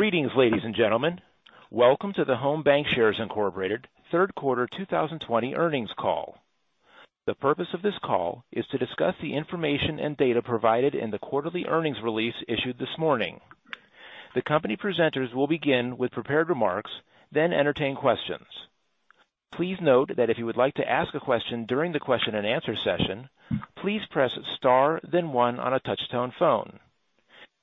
Greetings, ladies and gentlemen. Welcome to the Home BancShares, Inc. third quarter 2020 earnings call. The purpose of this call is to discuss the information and data provided in the quarterly earnings release issued this morning. The company presenters will begin with prepared remarks, then entertain questions. Please note that if you would like to ask a question during the question-and-answer session, please press star then one on a touch-tone phone.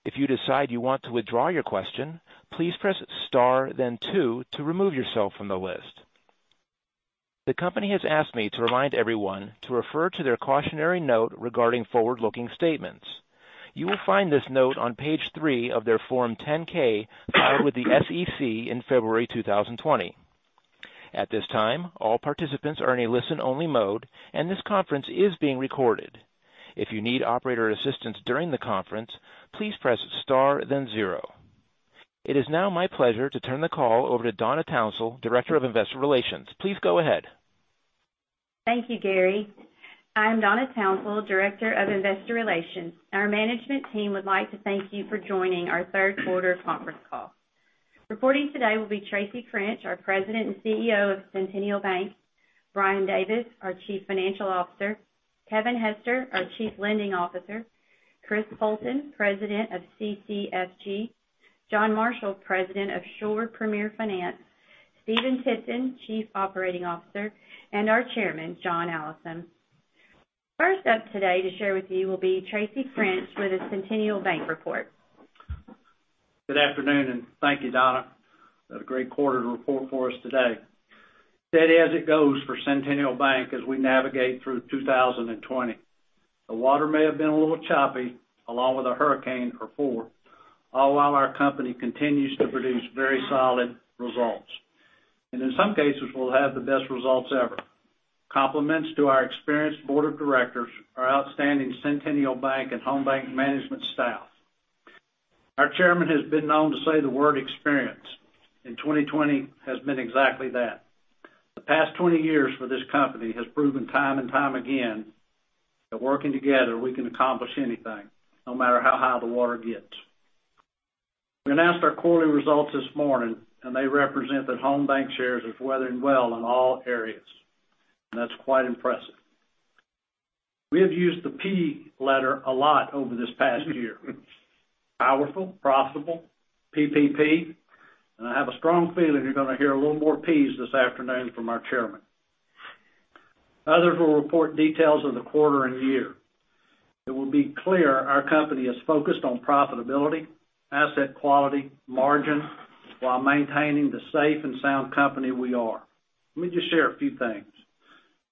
If you decide you want to withdraw your question, please press star then two to remove yourself from the list. The company has asked me to remind everyone to refer to their cautionary note regarding forward-looking statements. You will find this note on page three of their Form 10-K filed with the SEC in February 2020. At this time, all participants are in a listen-only mode, and this conference is being recorded. If you need operator's assistance during the conference please press star then zero. It is now my pleasure to turn the call over to Donna Townsell, Director of Investor Relations. Please go ahead. Thank you, Gary. I am Donna Townsell, Director of Investor Relations. Our management team would like to thank you for joining our third quarter conference call. Reporting today will be Tracy French, our President and CEO of Centennial Bank, Brian Davis, our Chief Financial Officer, Kevin Hester, our Chief Lending Officer, Chris Poulton, President of CCFG, John Marshall, President of Shore Premier Finance, Stephen Tipton, Chief Operating Officer, and our Chairman, John Allison. First up today to share with you will be Tracy French with his Centennial Bank report. Good afternoon, and thank you, Donna. We had a great quarter to report for us today. Steady as it goes for Centennial Bank as we navigate through 2020. The water may have been a little choppy, along with a hurricane or four, all while our company continues to produce very solid results. In some cases, we'll have the best results ever. Compliments to our experienced board of directors, our outstanding Centennial Bank and Home BancShares management staff. Our chairman has been known to say the word experience, and 2020 has been exactly that. The past 20 years for this company has proven time and time again, that working together, we can accomplish anything, no matter how high the water gets. We announced our quarterly results this morning, and they represent that Home BancShares is weathering well in all areas, and that's quite impressive. We have used the P letter a lot over this past year. Powerful, profitable, PPP. I have a strong feeling you're going to hear a little more Ps this afternoon from our Chairman. Others will report details of the quarter and year. It will be clear our company is focused on profitability, asset quality, margin, while maintaining the safe and sound company we are. Let me just share a few things.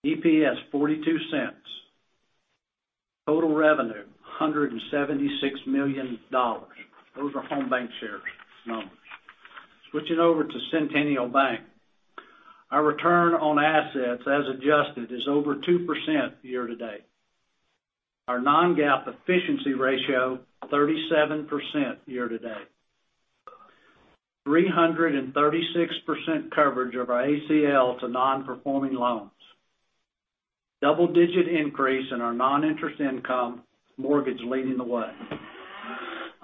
EPS, $0.42. Total revenue, $176 million. Those are Home BancShares numbers. Switching over to Centennial Bank. Our return on assets, as adjusted, is over 2% year to date. Our non-GAAP efficiency ratio, 37% year to date. 336% coverage of our ACL to non-performing loans. Double-digit increase in our non-interest income, mortgage leading the way.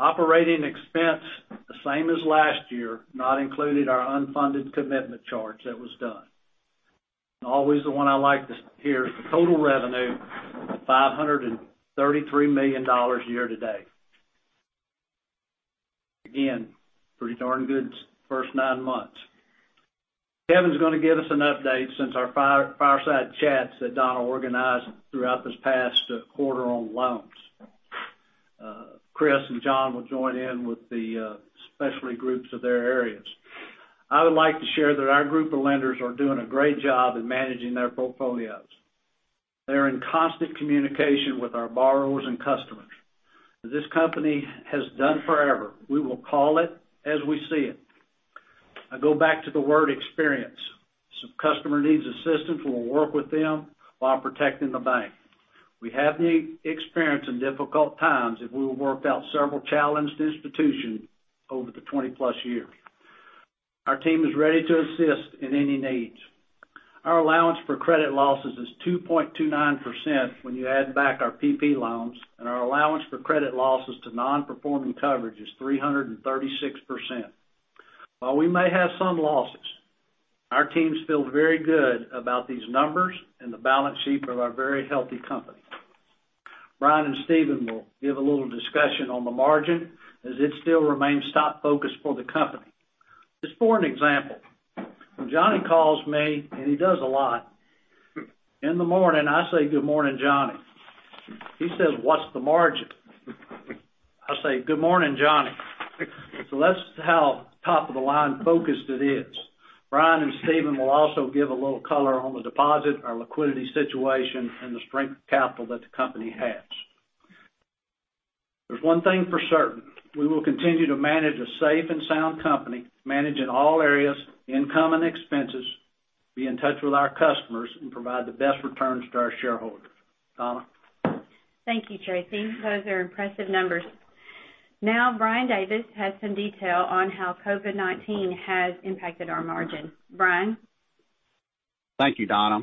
Operating expense, the same as last year, not including our unfunded commitment charge that was done. Always the one I like to hear is the total revenue, $533 million year to date. Again, pretty darn good first nine months. Kevin's going to give us an update since our Fireside Chats that Donna organized throughout this past quarter on loans. Chris and John will join in with the specialty groups of their areas. I would like to share that our group of lenders are doing a great job in managing their portfolios. They are in constant communication with our borrowers and customers. This company has done forever. We will call it as we see it. I go back to the word experience. Some customer needs assistance, we will work with them while protecting the bank. We have the experience in difficult times, and we have worked out several challenged institutions over the 20+ years. Our team is ready to assist in any needs. Our allowance for credit losses is 2.29% when you add back our PPP loans, and our allowance for credit losses to non-performing coverage is 336%. While we may have some losses, our teams feel very good about these numbers and the balance sheet of our very healthy company. Brian and Stephen will give a little discussion on the margin, as it still remains top focus for the company. Just for an example, when Johnny calls me, and he does a lot, in the morning, I say, "Good morning, Johnny." He says, "What's the margin?" I say, "Good morning, Johnny." That's how top-of-the-line focused it is. Brian and Stephen will also give a little color on the deposit, our liquidity situation, and the strength of capital that the company has. There's one thing for certain. We will continue to manage a safe and sound company, manage in all areas, income and expenses, be in touch with our customers, and provide the best returns to our shareholders. Donna? Thank you, Tracy. Those are impressive numbers. Now Brian Davis has some detail on how COVID-19 has impacted our margin. Brian? Thank you, Donna.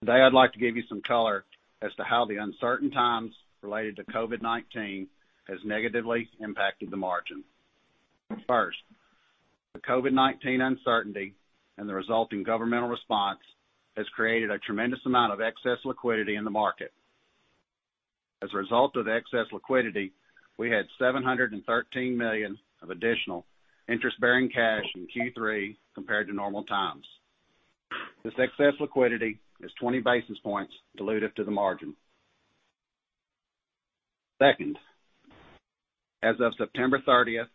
Today, I'd like to give you some color as to how the uncertain times related to COVID-19 has negatively impacted the margin. First, the COVID-19 uncertainty and the resulting governmental response has created a tremendous amount of excess liquidity in the market. As a result of excess liquidity, we had $713 million of additional interest-bearing cash in Q3 compared to normal times. This excess liquidity is 20 basis points dilutive to the margin. Second, as of September 30th,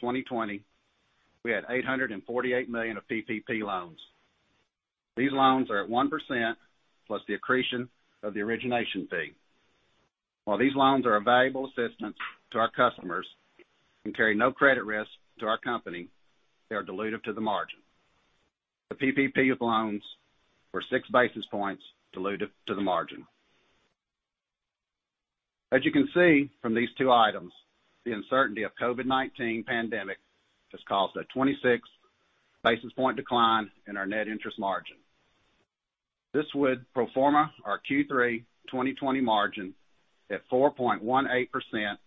2020, we had $848 million of PPP loans. These loans are at 1%+ the accretion of the origination fee. While these loans are a valuable assistance to our customers and carry no credit risk to our company, they are dilutive to the margin. The PPP loans were six basis points dilutive to the margin. As you can see from these two items, the uncertainty of COVID-19 pandemic has caused a 26 basis point decline in our net interest margin. This would pro forma our Q3 2020 margin at 4.18%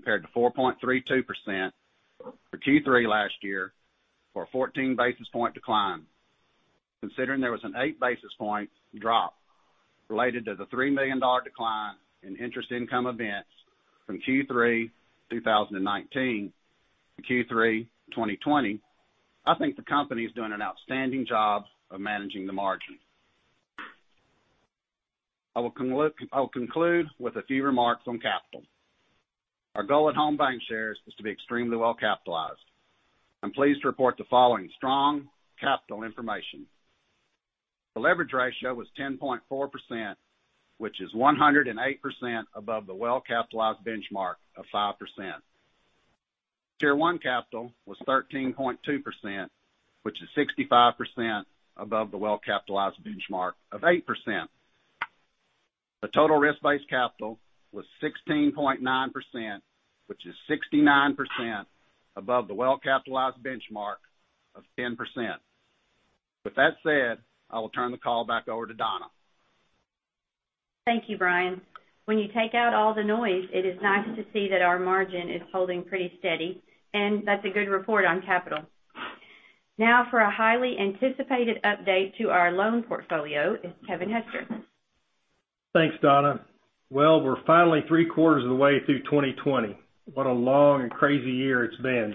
compared to 4.32% for Q3 last year for a 14 basis point decline. Considering there was an 8 basis point drop related to the $3 million decline in interest income events from Q3 2019 to Q3 2020, I think the company is doing an outstanding job of managing the margin. I will conclude with a few remarks on capital. Our goal at Home BancShares is to be extremely well capitalized. I'm pleased to report the following strong capital information. The leverage ratio was 10.4%, which is 108% above the well-capitalized benchmark of 5%. Tier 1 capital was 13.2%, which is 65% above the well-capitalized benchmark of 8%. The total risk-based capital was 16.9%, which is 69% above the well-capitalized benchmark of 10%. With that said, I will turn the call back over to Donna. Thank you, Brian. When you take out all the noise, it is nice to see that our margin is holding pretty steady, and that's a good report on capital. Now for a highly anticipated update to our loan portfolio is Kevin Hester. Thanks, Donna. We're finally three quarters of the way through 2020. What a long and crazy year it's been.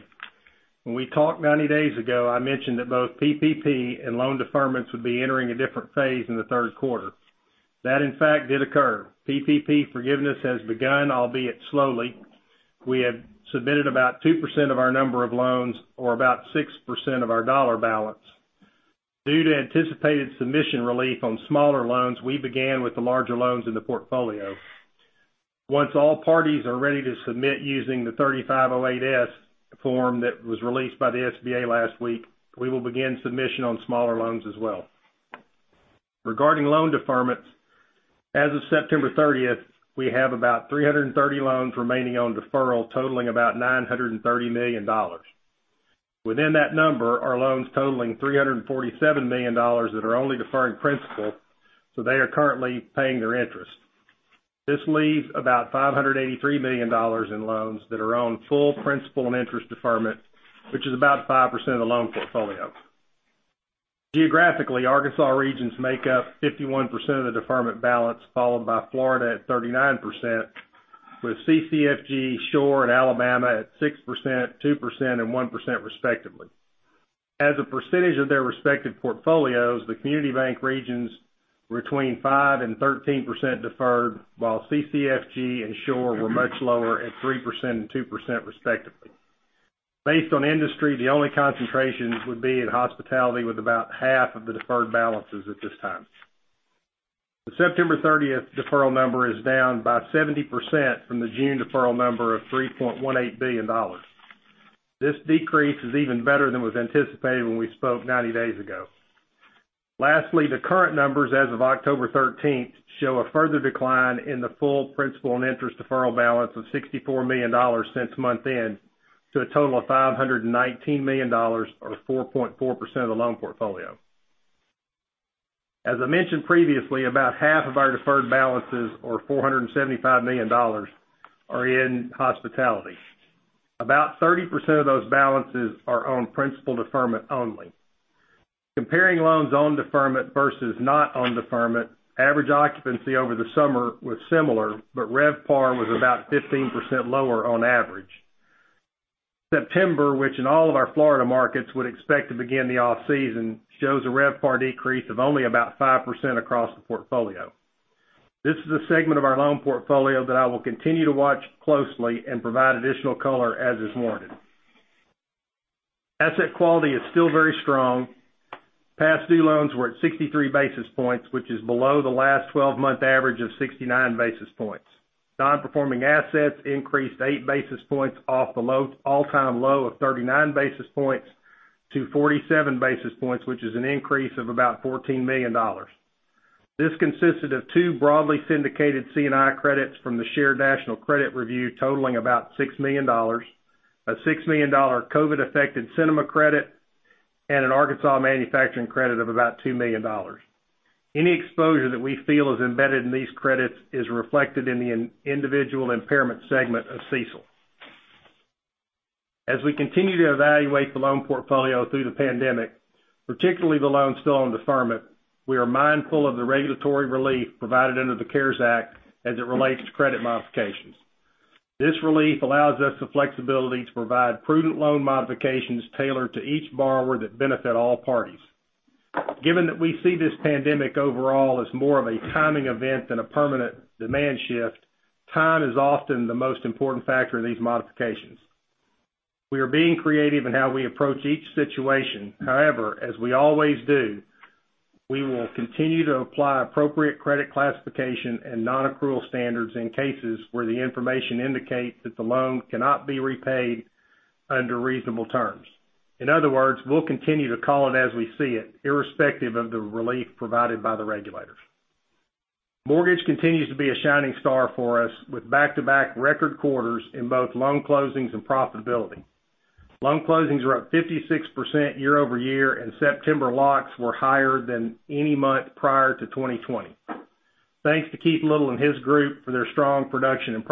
When we talked 90 days ago, I mentioned that both PPP and loan deferments would be entering a different phase in the third quarter. That, in fact, did occur. PPP forgiveness has begun, albeit slowly. We have submitted about 2% of our number of loans or about 6% of our dollar balance. Due to anticipated submission relief on smaller loans, we began with the larger loans in the portfolio. Once all parties are ready to submit using the 3508S form that was released by the SBA last week, we will begin submission on smaller loans as well. Regarding loan deferments, as of September 30th, we have about 330 loans remaining on deferral totaling about $930 million. Within that number are loans totaling $347 million that are only deferred principal, so they are currently paying their interest. This leaves about $583 million in loans that are on full principal and interest deferment, which is about 5% of the loan portfolio. Geographically, Arkansas regions make up 51% of the deferment balance, followed by Florida at 39%, with CCFG, Shore, and Alabama at 6%, 2%, and 1% respectively. As a % of their respective portfolios, the community bank regions were between 5% and 13% deferred, while CCFG and Shore were much lower at 3% and 2% respectively. Based on industry, the only concentrations would be in hospitality with about 1/2 of the deferred balances at this time. The September 30th deferral number is down by 70% from the June deferral number of $3.18 billion. This decrease is even better than was anticipated when we spoke 90 days ago. Lastly, the current numbers as of October 13th show a further decline in the full principal and interest deferral balance of $64 million since month end to a total of $519 million or 4.4% of the loan portfolio. As I mentioned previously, about 1/2 of our deferred balances or $475 million are in hospitality. About 30% of those balances are on principal deferment only. Comparing loans on deferment versus not on deferment, average occupancy over the summer was similar, but RevPAR was about 15% lower on average. September, which in all of our Florida markets would expect to begin the off-season, shows a RevPAR decrease of only about 5% across the portfolio. This is a segment of our loan portfolio that I will continue to watch closely and provide additional color as is warranted. Asset quality is still very strong. Past due loans were at 63 basis points, which is below the last 12-month average of 69 basis points. Non-performing assets increased eight basis points off the all-time low of 39 basis points to 47 basis points, which is an increase of about $14 million. This consisted of two broadly syndicated C&I credits from the Shared National Credit review totaling about $6 million, a $6 million COVID-affected cinema credit, and an Arkansas manufacturing credit of about $2 million. Any exposure that we feel is embedded in these credits is reflected in the individual impairment segment of CECL. As we continue to evaluate the loan portfolio through the pandemic, particularly the loans still on deferment, we are mindful of the regulatory relief provided under the CARES Act as it relates to credit modifications. This relief allows us the flexibility to provide prudent loan modifications tailored to each borrower that benefit all parties. Given that we see this pandemic overall as more of a timing event than a permanent demand shift, time is often the most important factor in these modifications. We are being creative in how we approach each situation. However, as we always do, we will continue to apply appropriate credit classification and non-accrual standards in cases where the information indicates that the loan cannot be repaid under reasonable terms. In other words, we'll continue to call it as we see it, irrespective of the relief provided by the regulators. Mortgage continues to be a shining star for us with back-to-back record quarters in both loan closings and profitability. Loan closings are up 56% year-over-year, and September locks were higher than any month prior to 2020. Thanks to Keith Little and his group for their strong production and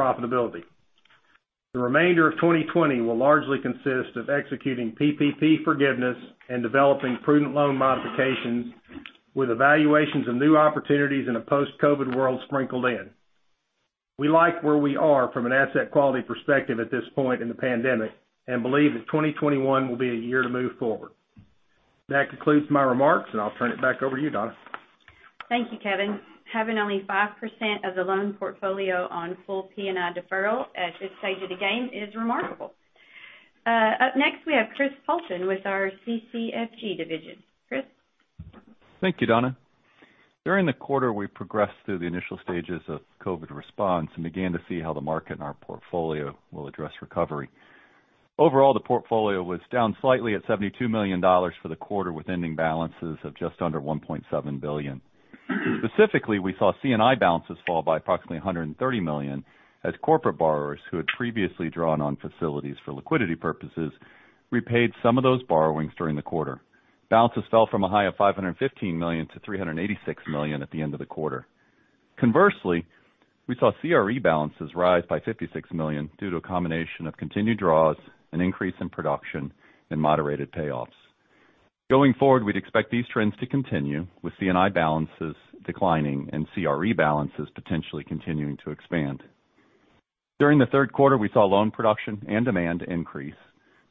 profitability. The remainder of 2020 will largely consist of executing PPP forgiveness and developing prudent loan modifications with evaluations and new opportunities in a post-COVID world sprinkled in. We like where we are from an asset quality perspective at this point in the pandemic, and believe that 2021 will be a year to move forward. That concludes my remarks, and I'll turn it back over to you, Donna. Thank you, Kevin. Having only 5% of the loan portfolio on full P&I deferral at this stage of the game is remarkable. Up next, we have Chris Poulton with our CCFG division. Chris? Thank you, Donna. During the quarter, we progressed through the initial stages of COVID response and began to see how the market and our portfolio will address recovery. Overall, the portfolio was down slightly at $72 million for the quarter, with ending balances of just under $1.7 billion. Specifically, we saw C&I balances fall by approximately $130 million, as corporate borrowers who had previously drawn on facilities for liquidity purposes repaid some of those borrowings during the quarter. Balances fell from a high of $515 million-$386 million at the end of the quarter. Conversely, we saw CRE balances rise by $56 million due to a combination of continued draws, an increase in production, and moderated payoffs. Going forward, we'd expect these trends to continue, with C&I balances declining and CRE balances potentially continuing to expand. During the third quarter, we saw loan production and demand increase.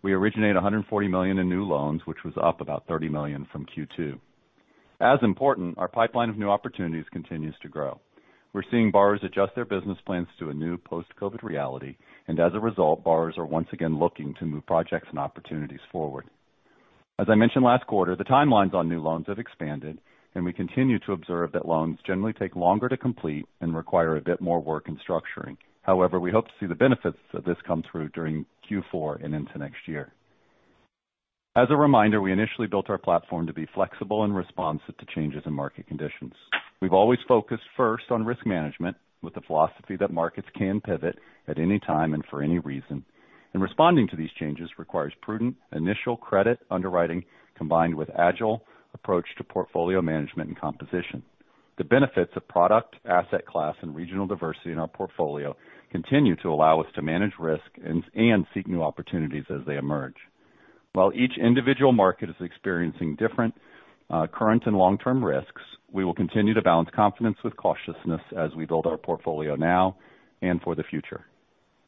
We originated $140 million in new loans, which was up about $30 million from Q2. As important, our pipeline of new opportunities continues to grow. We are seeing borrowers adjust their business plans to a new post-COVID reality, and as a result, borrowers are once again looking to move projects and opportunities forward. As I mentioned last quarter, the timelines on new loans have expanded, and we continue to observe that loans generally take longer to complete and require a bit more work in structuring. However, we hope to see the benefits of this come through during Q4 and into next year. As a reminder, we initially built our platform to be flexible and responsive to changes in market conditions. We've always focused first on risk management with the philosophy that markets can pivot at any time and for any reason, and responding to these changes requires prudent initial credit underwriting combined with agile approach to portfolio management and composition. The benefits of product, asset class, and regional diversity in our portfolio continue to allow us to manage risk and seek new opportunities as they emerge. While each individual market is experiencing different current and long-term risks, we will continue to balance confidence with cautiousness as we build our portfolio now and for the future.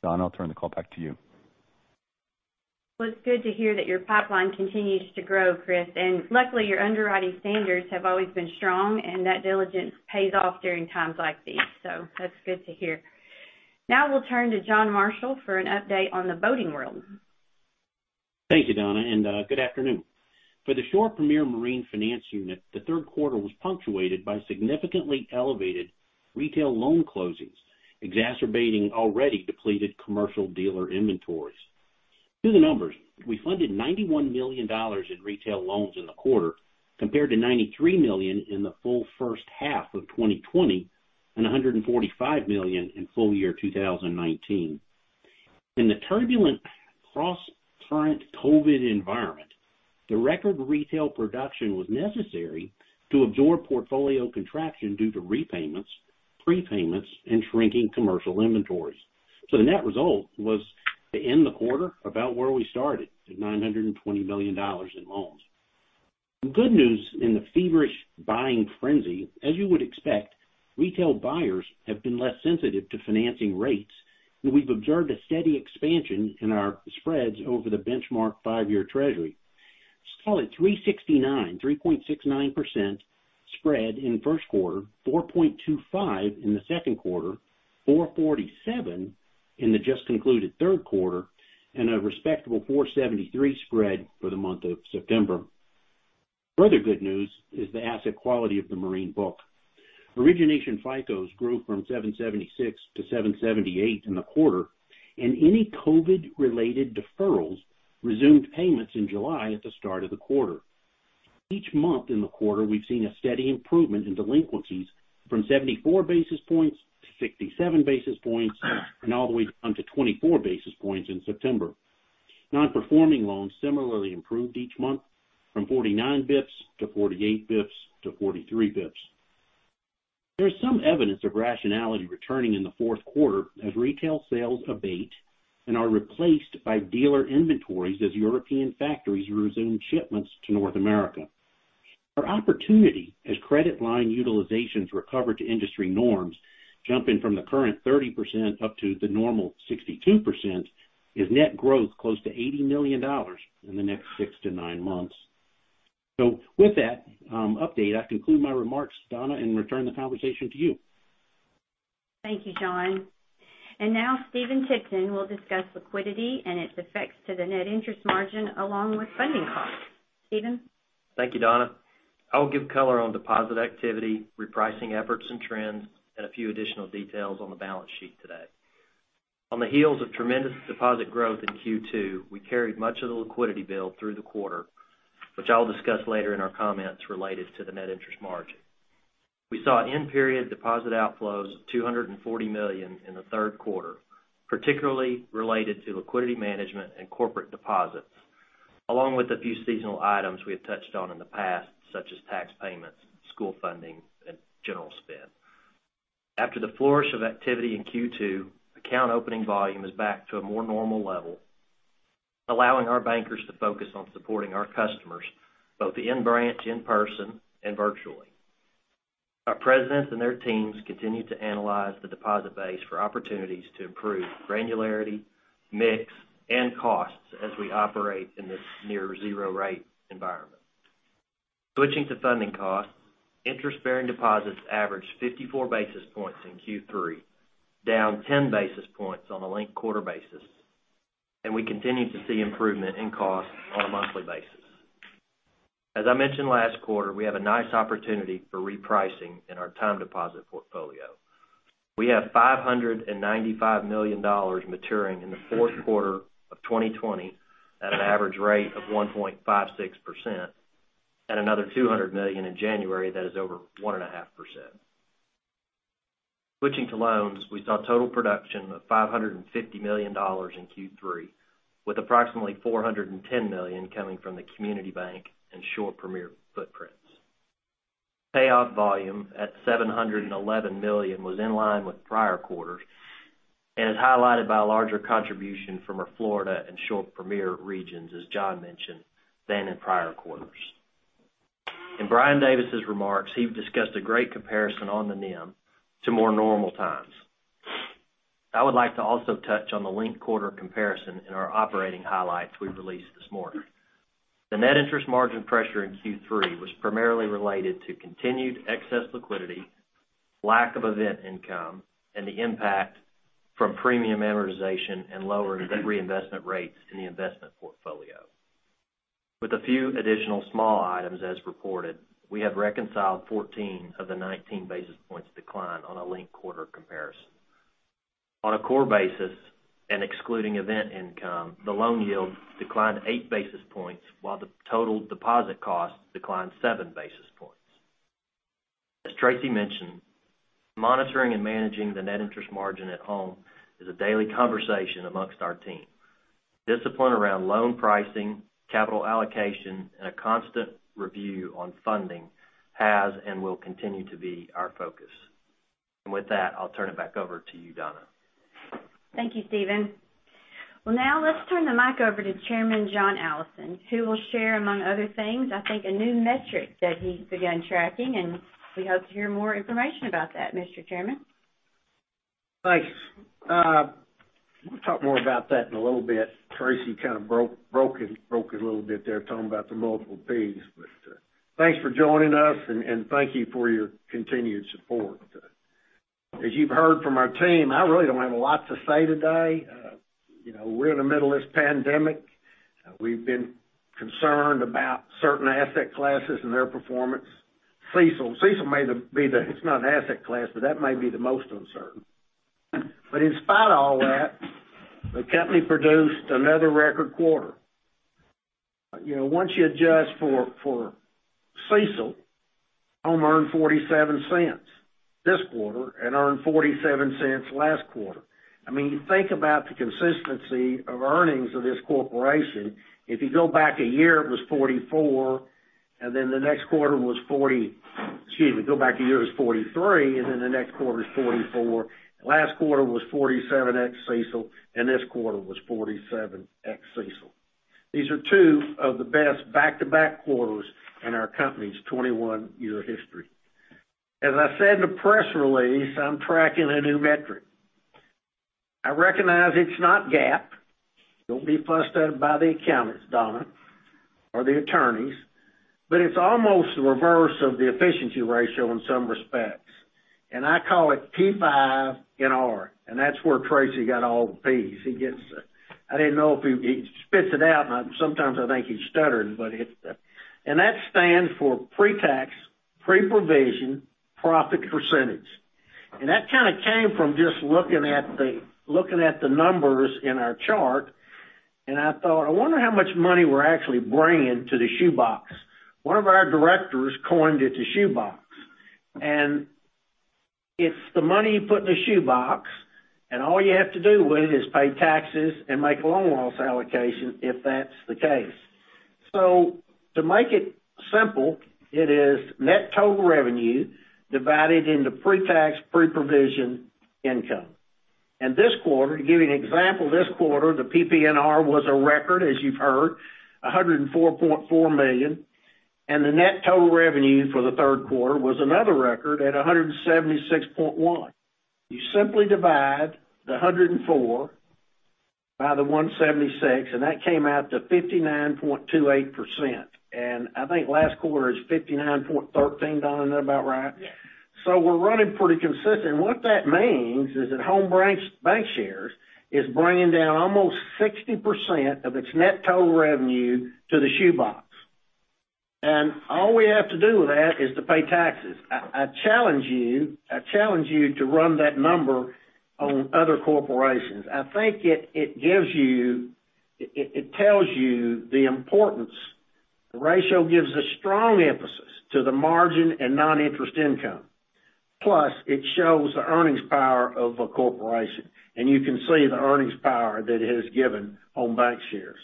Donna, I'll turn the call back to you. Well, it's good to hear that your pipeline continues to grow, Chris, and luckily, your underwriting standards have always been strong, and that diligence pays off during times like these. That's good to hear. Now we'll turn to John Marshall for an update on the boating world. Thank you, Donna, and good afternoon. For the Shore Premier Finance unit, the third quarter was punctuated by significantly elevated retail loan closings, exacerbating already depleted commercial dealer inventories. To the numbers, we funded $91 million in retail loans in the quarter, compared to $93 million in the full first half of 2020 and $145 million in full year 2019. In the turbulent cross-current COVID environment, the record retail production was necessary to absorb portfolio contraction due to repayments, prepayments, and shrinking commercial inventories. The net result was to end the quarter about where we started, at $920 million in loans. The good news in the feverish buying frenzy, as you would expect, retail buyers have been less sensitive to financing rates, and we've observed a steady expansion in our spreads over the benchmark five-year treasury. Call it 3.69% spread in first quarter, 4.25% in the second quarter, 4.47% in the just concluded third quarter, and a respectable 4.73% spread for the month of September. Further good news is the asset quality of the marine book. Origination FICOs grew from 776-778 in the quarter. Any COVID related deferrals resumed payments in July at the start of the quarter. Each month in the quarter, we've seen a steady improvement in delinquencies from 74 basis points to 67 basis points, and all the way down to 24 basis points in September. Non-performing loans similarly improved each month, from 49 basis points to 48 basis points, to 43 basis points. There is some evidence of rationality returning in the fourth quarter as retail sales abate and are replaced by dealer inventories as European factories resume shipments to North America. Our opportunity as credit line utilizations recover to industry norms, jumping from the current 30% up to the normal 62%, is net growth close to $80 million in the next six to nine months. With that update, I conclude my remarks, Donna, and return the conversation to you. Thank you, John. Now Stephen Tipton will discuss liquidity and its effects to the net interest margin along with funding costs. Stephen? Thank you, Donna. I will give color on deposit activity, repricing efforts and trends, and a few additional details on the balance sheet today. On the heels of tremendous deposit growth in Q2, we carried much of the liquidity bill through the quarter, which I'll discuss later in our comments related to the net interest margin. We saw in-period deposit outflows of $240 million in the third quarter, particularly related to liquidity management and corporate deposits, along with a few seasonal items we have touched on in the past, such as tax payments, school funding, and general spend. After the flourish of activity in Q2, account opening volume is back to a more normal level, allowing our bankers to focus on supporting our customers, both in-branch, in-person, and virtually. Our presidents and their teams continue to analyze the deposit base for opportunities to improve granularity, mix, and costs as we operate in this near zero rate environment. Switching to funding costs, interest-bearing deposits averaged 54 basis points in Q3, down 10 basis points on a linked quarter basis, and we continue to see improvement in costs on a monthly basis. As I mentioned last quarter, we have a nice opportunity for repricing in our time deposit portfolio. We have $595 million maturing in the fourth quarter of 2020 at an average rate of 1.56%, and another $200 million in January that is over 1.5%. Switching to loans, we saw total production of $550 million in Q3, with approximately $410 million coming from the community bank and Shore Premier footprints. Payoff volume at $711 million was in line with prior quarters and is highlighted by a larger contribution from our Florida and Shore Premier regions, as John mentioned, than in prior quarters. In Brian Davis' remarks, he discussed a great comparison on the NIM to more normal times. I would like to also touch on the linked quarter comparison in our operating highlights we released this morning. The net interest margin pressure in Q3 was primarily related to continued excess liquidity, lack of event income, and the impact from premium amortization and lower reinvestment rates in the investment portfolio. With a few additional small items as reported, we have reconciled 14 of the 19 basis points decline on a linked quarter comparison. On a core basis and excluding event income, the loan yield declined eight basis points, while the total deposit cost declined seven basis points. As Tracy mentioned, monitoring and managing the net interest margin at Home is a daily conversation amongst our team. Discipline around loan pricing, capital allocation, and a constant review on funding has and will continue to be our focus. With that, I'll turn it back over to you, Donna. Thank you, Stephen. Well, now let's turn the mic over to Chairman John Allison, who will share, among other things, I think, a new metric that he's begun tracking, and we hope to hear more information about that, Mr. Chairman. Thanks. We'll talk more about that in a little bit. Tracy kind of broke a little bit there talking about the multiple Ps. Thanks for joining us and thank you for your continued support. As you've heard from our team, I really don't have a lot to say today. We're in the middle of this pandemic. We've been concerned about certain asset classes and their performance. CECL, it's not an asset class, but that may be the most uncertain. In spite of all that, the company produced another record quarter. Once you adjust for CECL, Home earned $0.47 this quarter and earned $0.47 last quarter. You think about the consistency of earnings of this corporation. If you go back a year, it was $0.44, and then the next quarter was $0.40, excuse me, go back a year, it was $0.43, and then the next quarter was $0.44. Last quarter was $0.47 ex CECL, and this quarter was $0.47 ex CECL. These are two of the best back-to-back quarters in our company's 21-year history. As I said in the press release, I'm tracking a new metric. I recognize it's not GAAP. Don't be fussed at it by the accountants, Donna, or the attorneys. It's almost the reverse of the efficiency ratio in some respects. I call it PPNR, and that's where Tracy got all the Ps. He spits it out, and sometimes I think he's stuttering. That stands for pre-tax Pre-provision profit %. That kind of came from just looking at the numbers in our chart, and I thought, "I wonder how much money we're actually bringing to the shoebox." One of our directors coined it the shoebox. It's the money you put in the shoebox, and all you have to do with it is pay taxes and make loan loss allocation if that's the case. To make it simple, it is net total revenue divided into pre-tax, pre-provision income. To give you an example, this quarter, the PPNR was a record, as you've heard, $104.4 million, and the net total revenue for the third quarter was another record at $176.1. You simply divide the 104 by the 176, and that came out to 59.28%. I think last quarter is 59.13. Donna, isn't that about right? Yes. We're running pretty consistent. What that means is that Home BancShares is bringing down almost 60% of its net total revenue to the PPNR. All we have to do with that is to pay taxes. I challenge you to run that number on other corporations. I think it tells you the importance. The ratio gives a strong emphasis to the margin and non-interest income. Plus, it shows the earnings power of a corporation, and you can see the earnings power that it has given Home BancShares.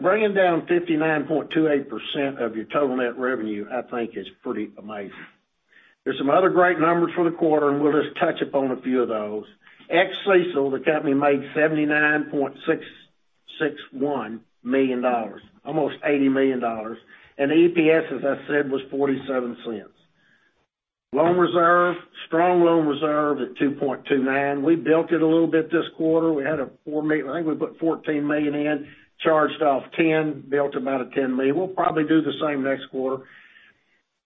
Bringing down 59.28% of your total net revenue, I think is pretty amazing. There's some other great numbers for the quarter, and we'll just touch upon a few of those. Ex CECL, the company made $79.61 million, almost $80 million. The EPS, as I said, was $0.47. Loan reserve, strong loan reserve at 2.29%. We built it a little bit this quarter. I think we put $14 million in, charged off $10 million, built about a $10 million. We'll probably do the same next quarter,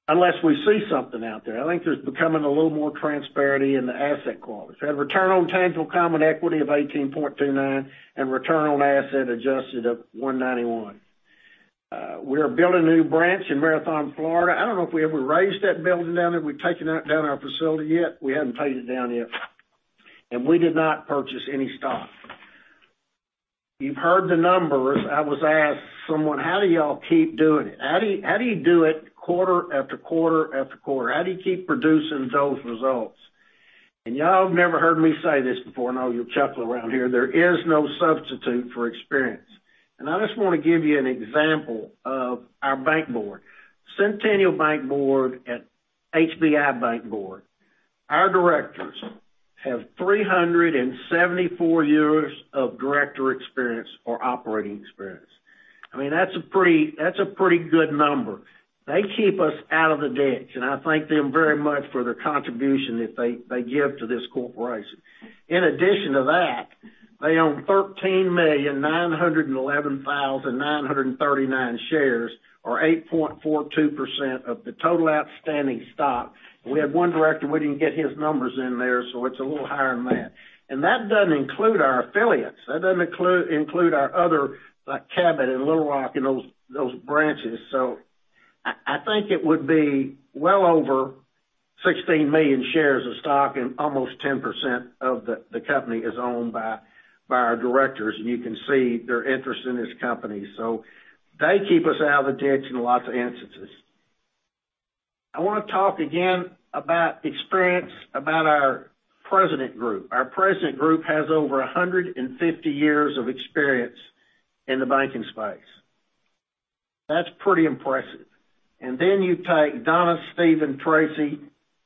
unless we see something out there. I think there's becoming a little more transparency in the asset quality. We had a return on tangible common equity of 18.29% and return on asset adjusted of 1.91%. We are building a new branch in Marathon, Florida. I don't know if we ever razed that building down there, we've taken down our facility yet. We haven't taken it down yet. We did not purchase any stock. You've heard the numbers. I was asked, someone, "How do y'all keep doing it? How do you do it quarter, after quarter, after quarter? How do you keep producing those results?" Y'all have never heard me say this before. I know you'll chuckle around here. There is no substitute for experience. I just want to give you an example of our bank board. Centennial Bank board and HBI Bank Board. Our directors have 374 years of director experience or operating experience. I mean, that's a pretty good number. They keep us out of the ditch, and I thank them very much for their contribution that they give to this corporation. In addition to that, they own 13,911,939 shares or 8.42% of the total outstanding stock. We had one director, we didn't get his numbers in there, so it's a little higher than that. That doesn't include our affiliates. That doesn't include our other, like Cabot and Little Rock and those branches. I think it would be well over 16 million shares of stock and almost 10% of the company is owned by our directors, and you can see their interest in this company. They keep us out of the ditch in lots of instances. I want to talk again about experience, about our president group. Our president group has over 150 years of experience in the banking space. That's pretty impressive. You take Donna, Stephen, Tracy,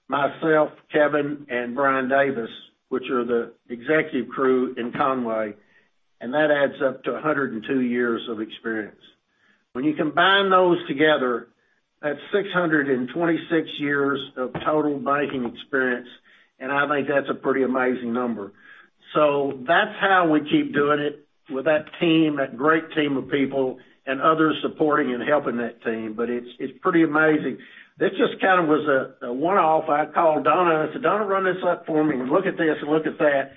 myself, Kevin, and Brian Davis, which are the executive crew in Conway, that adds up to 102 years of experience. When you combine those together, that's 626 years of total banking experience, and I think that's a pretty amazing number. That's how we keep doing it with that team, that great team of people, and others supporting and helping that team. It's pretty amazing. This just kind of was a one-off. I called Donna. I said, "Donna, run this up for me and look at this and look at that."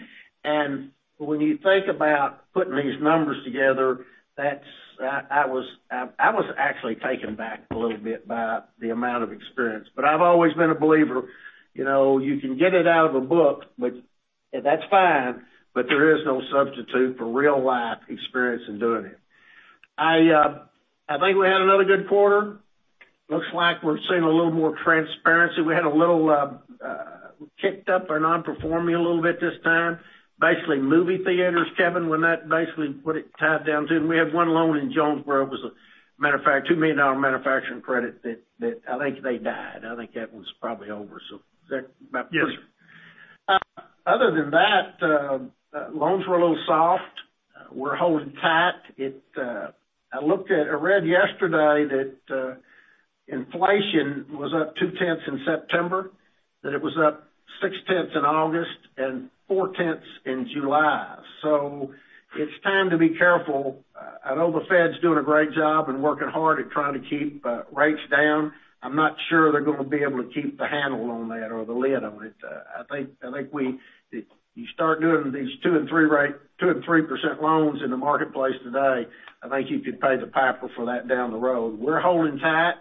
When you think about putting these numbers together, I was actually taken back a little bit by the amount of experience. I've always been a believer. You can get it out of a book, and that's fine, but there is no substitute for real-life experience in doing it. I think we had another good quarter. Looks like we're seeing a little more transparency. We kicked up our non-performing a little bit this time. Basically, movie theaters, Kevin, wasn't that basically what it tied down to? We had one loan in Jonesboro. It was a $2 million manufacturing credit that I think they died. I think that one's probably over. Yes. Other than that, loans were a little soft. We're holding tight. I read yesterday that inflation was up two-tenths in September, that it was up 6/10 in August and four-tenths in July. It's time to be careful. I know the Fed's doing a great job and working hard at trying to keep rates down. I'm not sure they're going to be able to keep the handle on that or the lid on it. I think if you start doing these 2% and 3% loans in the marketplace today, I think you could pay the piper for that down the road. We're holding tight.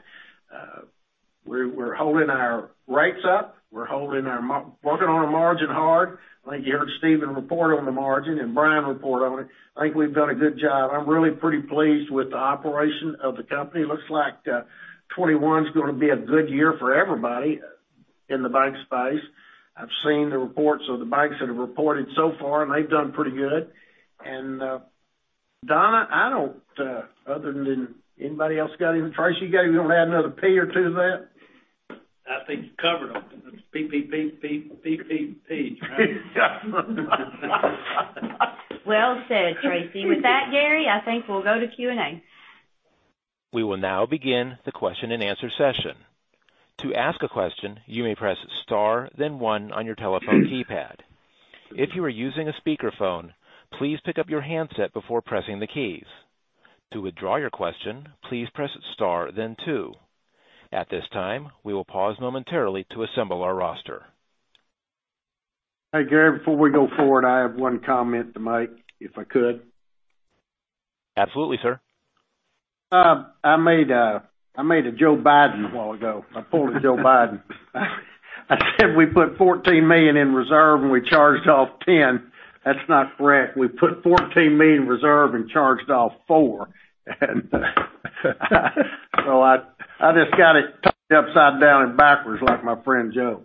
We're holding our rates up. We're working on our margin hard. I think you heard Stephen report on the margin and Brian report on it. I think we've done a good job. I'm really pretty pleased with the operation of the company. Looks like 2021 is going to be a good year for everybody in the bank space. I've seen the reports of the banks that have reported so far, and they've done pretty good. Donna, other than anybody else got anything? Tracy, you going to add another P or two to that? I think you covered them. PPP. Right? Well said, Tracy. With that, Gary, I think we'll go to Q&A. We will now begin the question-and-answer session. To ask a question, you may press star then one on your telephone keypad. If you are using a speakerphone, please pick up your handset before pressing the keys. To withdraw your question, please press star then two. At this time, we will pause momentarily to assemble our roster. Hey, Gary, before we go forward, I have one comment to make, if I could. Absolutely, sir. I made a Joe Biden a while ago. I pulled a Joe Biden. I said we put $14 million in reserve, we charged off 10. That's not correct. We put $14 million in reserve charged off four. I just got it totally upside down and backwards like my friend Joe.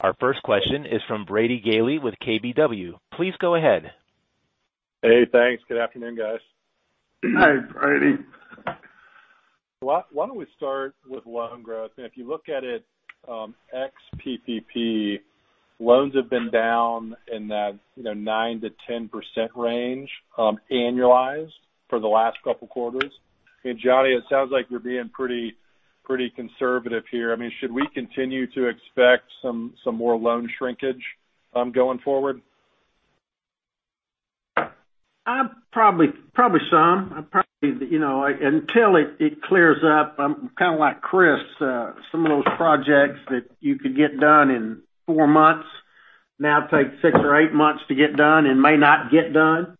Our first question is from Brady Gailey with KBW. Please go ahead. Hey, thanks. Good afternoon, guys. Hi, Brady. Why don't we start with loan growth? If you look at it, ex PPP, loans have been down in that 9%-10% range, annualized, for the last couple of quarters. Johnny, it sounds like you're being pretty conservative here. Should we continue to expect some more loan shrinkage going forward? Probably some. Until it clears up, I'm kind of like Chris. Some of those projects that you could get done in four months now take six or eight months to get done and may not get done.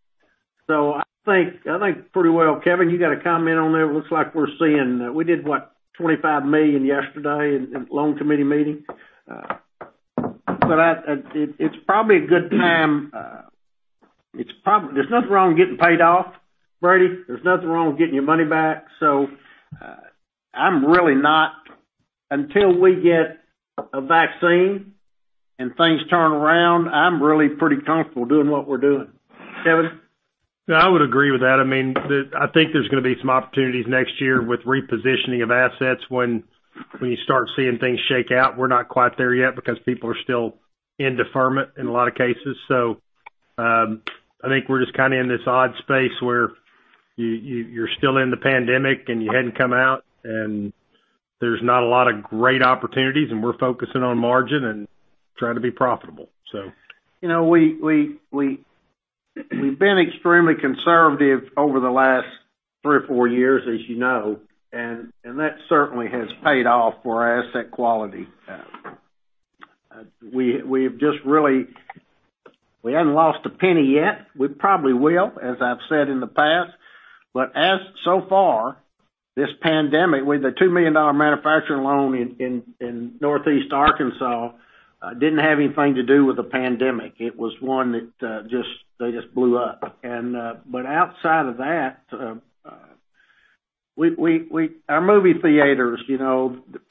I think pretty well. Kevin, you got a comment on there? It looks like we did, what, $25 million yesterday in loan committee meeting. It's probably a good time. There's nothing wrong with getting paid off, Brady. There's nothing wrong with getting your money back. Until we get a vaccine and things turn around, I'm really pretty comfortable doing what we're doing. Kevin? I would agree with that. I think there's going to be some opportunities next year with repositioning of assets when you start seeing things shake out. We're not quite there yet because people are still in deferment in a lot of cases. I think we're just in this odd space where you're still in the pandemic and you hadn't come out, and there's not a lot of great opportunities, and we're focusing on margin and trying to be profitable. We've been extremely conservative over the last three or four years, as you know, and that certainly has paid off for our asset quality. We haven't lost a penny yet. We probably will, as I've said in the past. As so far, this pandemic, with a $2 million manufacturing loan in Northeast Arkansas, didn't have anything to do with the pandemic. It was one that they just blew up. Outside of that, our movie theaters,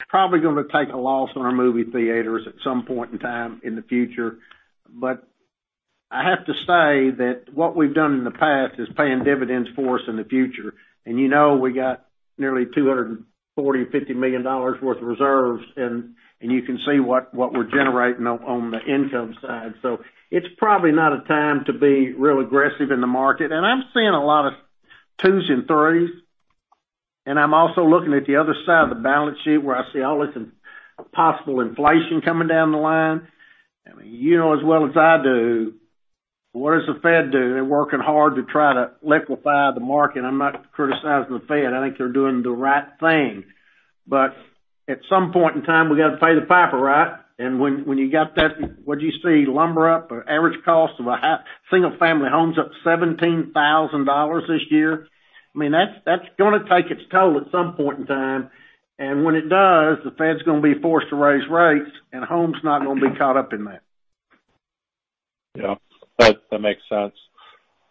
probably going to take a loss on our movie theaters at some point in time in the future. I have to say that what we've done in the past is paying dividends for us in the future. You know we got nearly $240 million or $250 million worth of reserves, and you can see what we're generating on the income side. It's probably not a time to be real aggressive in the market. I'm seeing a lot of twos and threes, and I'm also looking at the other side of the balance sheet where I see all this possible inflation coming down the line. You know as well as I do, what does the Fed do? They're working hard to try to liquefy the market. I'm not criticizing the Fed. I think they're doing the right thing. At some point in time, we got to pay the piper, right? When you got that, what did you see lumber up? Average cost of a single family home is up $17,000 this year. That's going to take its toll at some point in time. When it does, the Fed's going to be forced to raise rates, and Home's not going to be caught up in that. Yeah. That makes sense.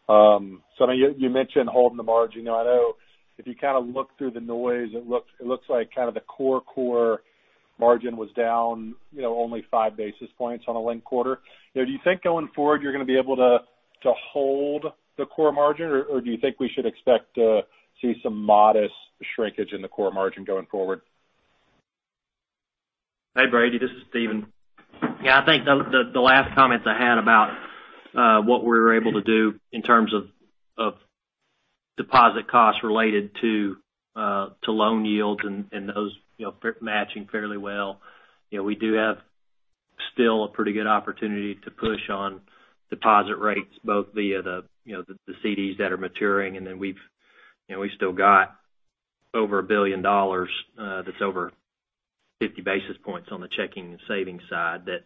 You mentioned holding the margin. I know if you kind of look through the noise, it looks like kind of the core margin was down only five basis points on a linked quarter. Do you think going forward, you're going to be able to hold the core margin, or do you think we should expect to see some modest shrinkage in the core margin going forward? Hey, Brady, this is Stephen. I think the last comments I had about what we were able to do in terms of deposit costs related to loan yields and those matching fairly well. We do have still a pretty good opportunity to push on deposit rates, both via the CDs that are maturing, then we've still got over $1 billion that's over 50 basis points on the checking and savings side that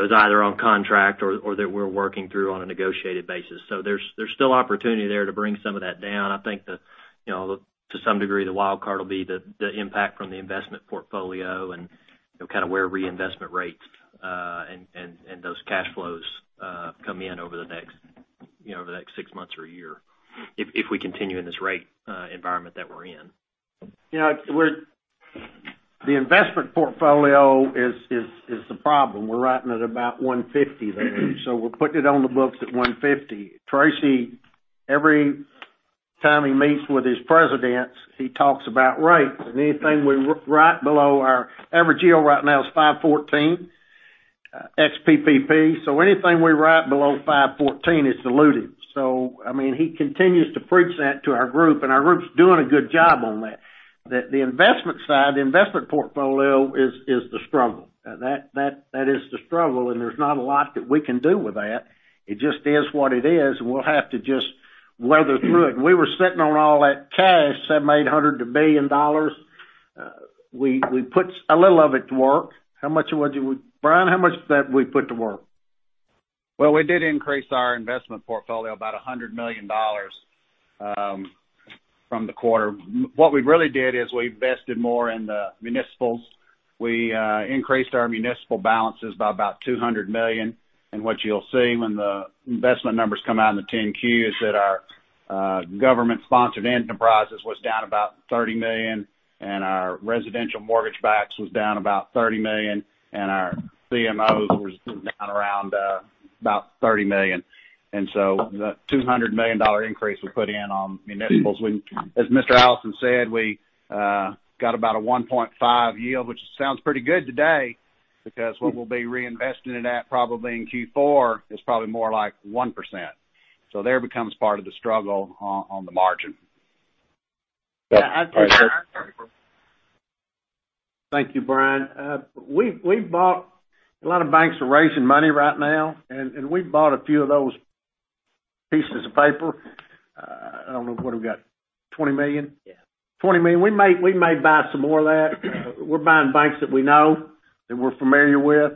is either on contract or that we're working through on a negotiated basis. There's still opportunity there to bring some of that down. I think to some degree, the wild card will be the impact from the investment portfolio, kind of where reinvestment rates, and those cash flows come in over the next six months or one year, if we continue in this rate environment that we're in. The investment portfolio is the problem. We're writing at about 150 there, so we're putting it on the books at 150. Tracy, every time he meets with his presidents, he talks about rates, and anything we write below our average yield right now is 5.14%, ex PPP, so anything we write below 5.14% is diluted. He continues to preach that to our group, and our group's doing a good job on that. The investment side, the investment portfolio is the struggle. That is the struggle, and there's not a lot that we can do with that. It just is what it is, and we'll have to just weather through it. We were sitting on all that cash, that $800 to billion. We put a little of it to work. Brian, how much of that we put to work? Well, we did increase our investment portfolio about $100 million from the quarter. What we really did is we invested more in the municipals. We increased our municipal balances by about $200 million. What you'll see when the investment numbers come out in the 10-Q, is that our government-sponsored enterprises was down about $30 million, and our residential mortgage backs was down about $30 million, and our CMOs was down around about $30 million. The $200 million increase we put in on municipals. As Mr. Allison said, we got about a 1.5 yield, which sounds pretty good today, because what we'll be reinvesting it at probably in Q4 is probably more like 1%. There becomes part of the struggle on the margin. Yeah. Thank you, Brian. A lot of banks are raising money right now. We bought a few of those pieces of paper. I don't know, what have we got, $20 million? Yeah. $20 million. We may buy some more of that. We're buying banks that we know, that we're familiar with.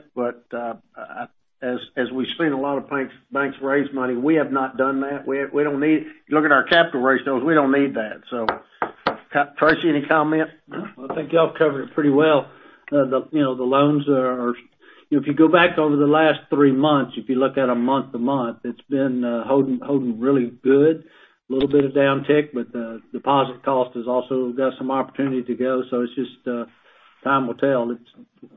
As we've seen a lot of banks raise money, we have not done that. If you look at our capital ratios, we don't need that. Tracy, any comment? I think y'all covered it pretty well. If you go back over the last three months, if you look at them month to month, it's been holding really good. A little bit of downtick. The deposit cost has also got some opportunity to go. It's just time will tell.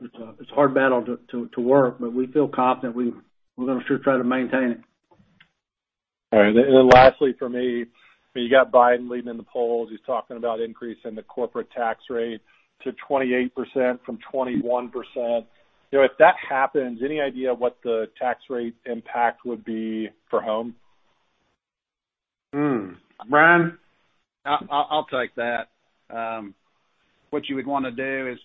It's a hard battle to work. We feel confident we're going to sure try to maintain it. All right. Lastly from me, you got Biden leading in the polls. He's talking about increasing the corporate tax rate to 28% from 21%. If that happens, any idea what the tax rate impact would be for Home? Brian? I'll take that. What you would want to do is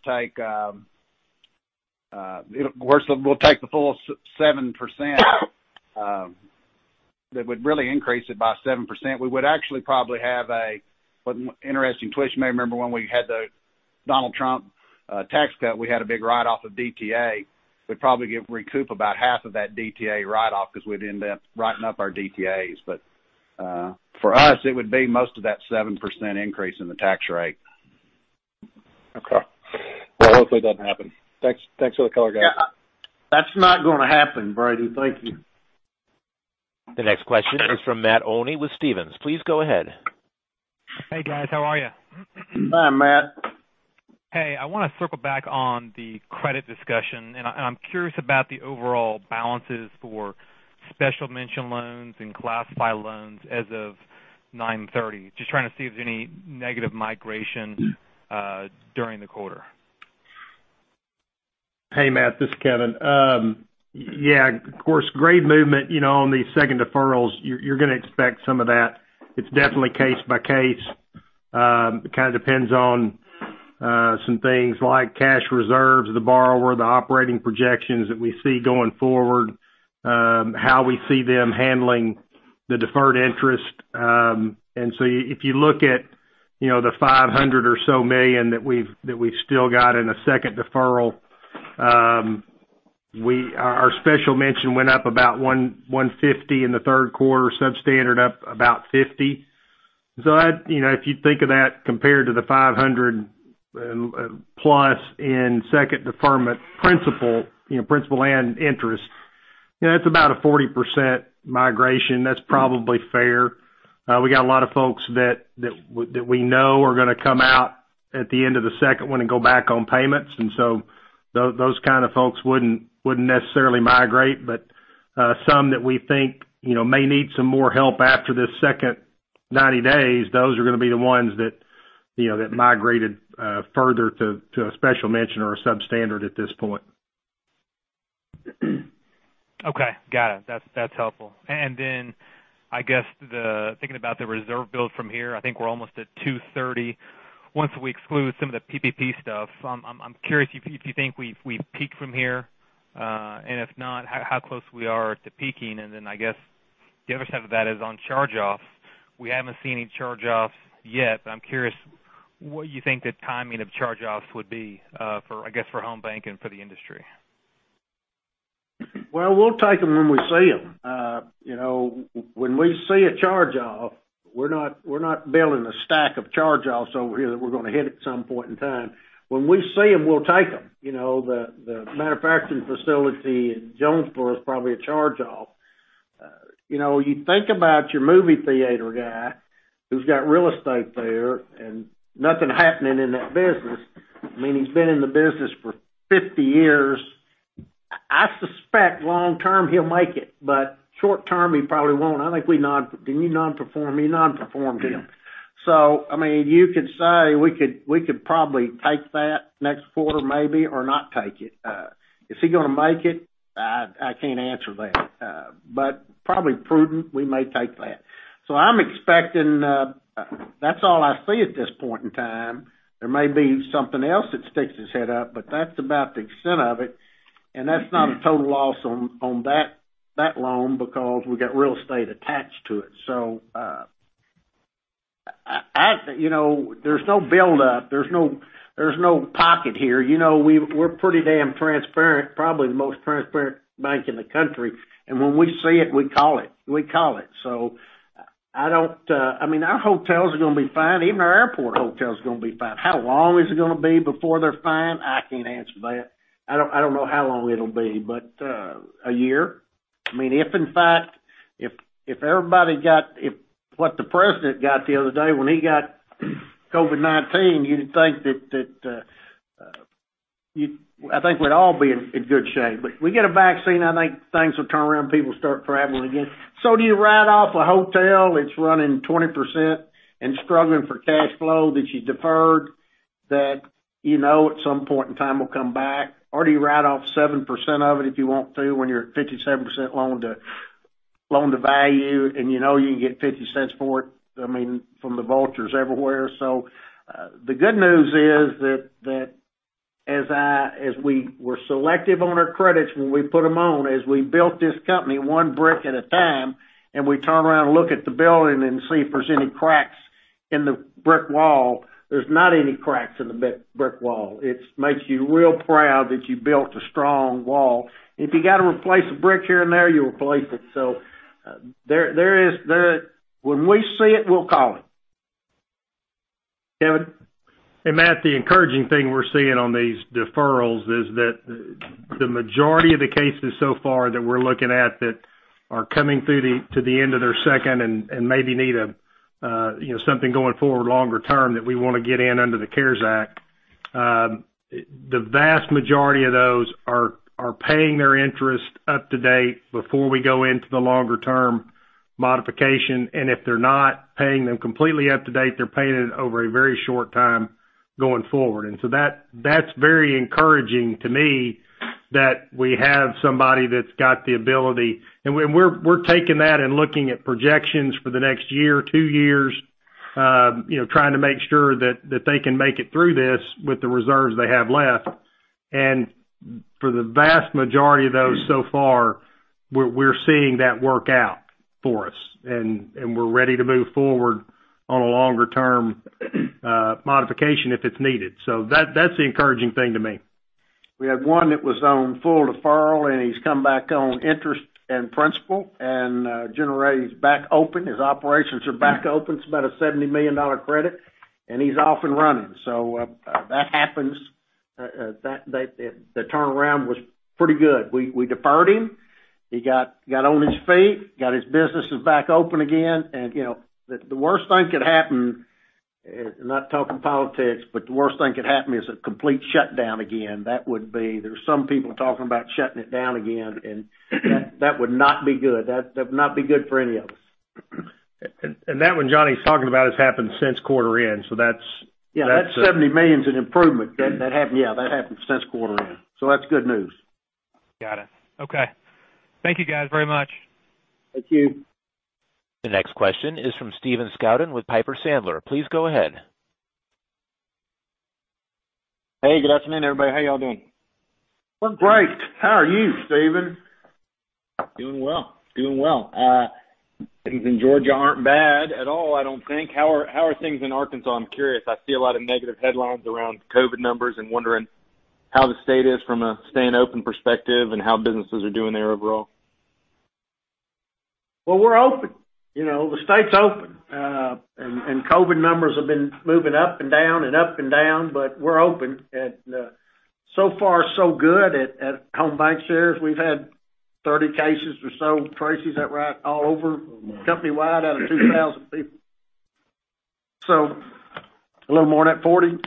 we'll take the full 7%, that would really increase it by 7%. We would actually probably have an interesting twist. You may remember when we had the Donald Trump tax cut, we had a big write-off of DTA. We'd probably recoup about 1/2 of that DTA write-off because we'd end up writing up our DTAs. For us, it would be most of that 7% increase in the tax rate. Okay. Well, hopefully it doesn't happen. Thanks for the color, guys. That's not going to happen, Brady. Thank you. The next question is from Matt Olney with Stephens. Please go ahead. Hey, guys. How are you? Hi, Matt. Hey, I want to circle back on the credit discussion. I'm curious about the overall balances for special mention loans and classified loans as of 9/30. Just trying to see if there's any negative migration during the quarter. Hey, Matt, this is Kevin. Of course, grade movement on these second deferrals, you're going to expect some of that. It's definitely case by case. It kind of depends on some things like cash reserves, the borrower, the operating projections that we see going forward, how we see them handling the deferred interest. If you look at the $500 or so million that we've still got in a second deferral, our special mention went up about $150 in the third quarter, substandard up about $50. If you think of that compared to the $500+ in second deferment principal and interest, that's about a 40% migration. That's probably fair. We got a lot of folks that we know are going to come out at the end of the second one and go back on payments. Those kind of folks wouldn't necessarily migrate. Some that we think may need some more help after this second 90 days, those are going to be the ones that migrated further to a special mention or a substandard at this point. Okay. Got it. That's helpful. I guess, thinking about the reserve build from here, I think we're almost at 230. Once we exclude some of the PPP stuff, I'm curious if you think we've peaked from here. If not, how close we are to peaking, and then, I guess, the other side of that is on charge-offs. We haven't seen any charge-offs yet, but I'm curious what you think the timing of charge-offs would be, I guess, for Home Banc and for the industry. Well, we'll take them when we see them. When we see a charge-off, we're not building a stack of charge-offs over here that we're going to hit at some point in time. When we see them, we'll take them. The manufacturing facility in Jonesboro is probably a charge-off. You think about your movie theater guy who's got real estate there and nothing happening in that business. He's been in the business for 50 years. I suspect long-term, he'll make it, but short-term, he probably won't. Did he non-perform? He non-performed him. You could say we could probably take that next quarter maybe, or not take it. Is he going to make it? I can't answer that. Probably prudent, we may take that. I'm expecting, that's all I see at this point in time. There may be something else that sticks its head up, but that's about the extent of it, and that's not a total loss on that loan because we got real estate attached to it. There's no buildup, there's no pocket here. We're pretty damn transparent, probably the most transparent bank in the country, and when we see it, we call it. Our hotels are going to be fine. Even our airport hotel's going to be fine. How long is it going to be before they're fine? I can't answer that. I don't know how long it'll be, but a year. If everybody got what the President got the other day when he got COVID-19, I think we'd all be in good shape. If we get a vaccine, I think things will turn around, people start traveling again. Do you write off a hotel that's running 20% and struggling for cash flow that you deferred, that you know at some point in time will come back? Do you write off 7% of it if you want to, when you're at 57% loan-to-value, and you know you can get $0.50 for it from the vultures everywhere? The good news is that as we were selective on our credits when we put them on, as we built this company one brick at a time, and we turn around and look at the building and see if there's any cracks in the brick wall, there's not any cracks in the brick wall. It makes you real proud that you built a strong wall. If you got to replace a brick here and there, you'll replace it. When we see it, we'll call it. Kevin? Matt, the encouraging thing we're seeing on these deferrals is that the majority of the cases so far that we're looking at that are coming to the end of their second and maybe need something going forward longer term that we want to get in under the CARES Act. The vast majority of those are paying their interest up to date before we go into the longer term modification, and if they're not paying them completely up to date, they're paying it over a very short time going forward. That's very encouraging to me that we have somebody that's got the ability. We're taking that and looking at projections for the next year, two years, trying to make sure that they can make it through this with the reserves they have left. For the vast majority of those so far, we're seeing that work out for us, and we're ready to move forward on a longer term modification if it's needed. That's the encouraging thing to me. We had one that was on full deferral, and he's come back on interest and principal, and generally, he's back open. His operations are back open. It's about a $70 million credit, and he's off and running. That happens. The turnaround was pretty good. We deferred him. He got on his feet, got his businesses back open again. The worst thing could happen, not talking politics, but the worst thing could happen is a complete shutdown again. There's some people talking about shutting it down again, and that would not be good. That would not be good for any of us. That one Johnny's talking about has happened since quarter end, so that's. Yeah, that $70 million is an improvement. That happened since quarter end. That's good news. Got it. Okay. Thank you guys very much. Thank you. The next question is from Stephen Scouten with Piper Sandler. Please go ahead. Hey, good afternoon, everybody. How y'all doing? We're great. How are you, Stephen? Doing well. Things in Georgia aren't bad at all, I don't think. How are things in Arkansas? I'm curious. I see a lot of negative headlines around COVID numbers and wondering how the state is from a staying open perspective and how businesses are doing there overall. Well, we're open. The state's open. COVID numbers have been moving up and down and up and down, but we're open. So far, so good at Home BancShares. We've had 30 cases or so. Tracy, is that right? All over company-wide out of 2,000 people. A little more than that, 40.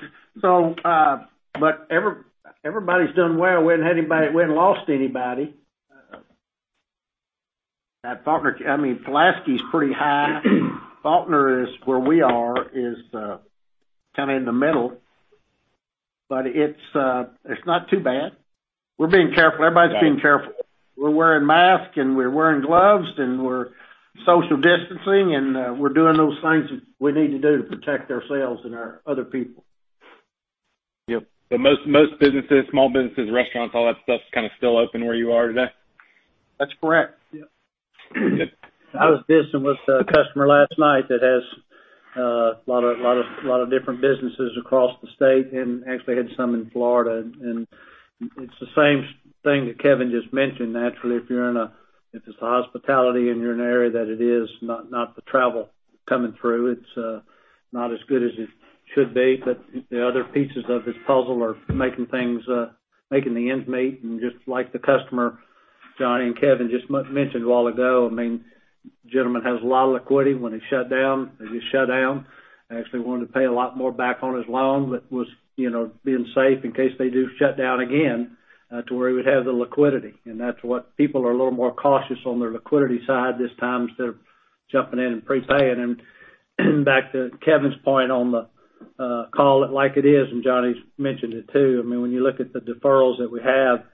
Everybody's done well. We hadn't lost anybody. Pulaski's pretty high. Faulkner, where we are, is kind of in the middle. It's not too bad. We're being careful. Everybody's being careful. We're wearing masks, and we're wearing gloves, and we're social distancing, and we're doing those things that we need to do to protect ourselves and our other people. Yep. Most businesses, small businesses, restaurants, all that stuff's kind of still open where you are today? That's correct. Yep. I was visiting with a customer last night that has a lot of different businesses across the state and actually had some in Florida. It's the same thing that Kevin just mentioned. Naturally, if it's a hospitality and you're in an area that it is not the travel coming through, it's not as good as it should be. The other pieces of this puzzle are making the ends meet. Just like the customer, Johnny and Kevin just mentioned a while ago, the gentleman has a lot of liquidity when it shut down. They just shut down. Actually wanted to pay a lot more back on his loan, but was being safe in case they do shut down again, to where he would have the liquidity. That's what people are a little more cautious on their liquidity side this time instead of jumping in and prepaying. Back to Kevin's point on the call it like it is, and Johnny's mentioned it too. When you look at the deferrals that we have,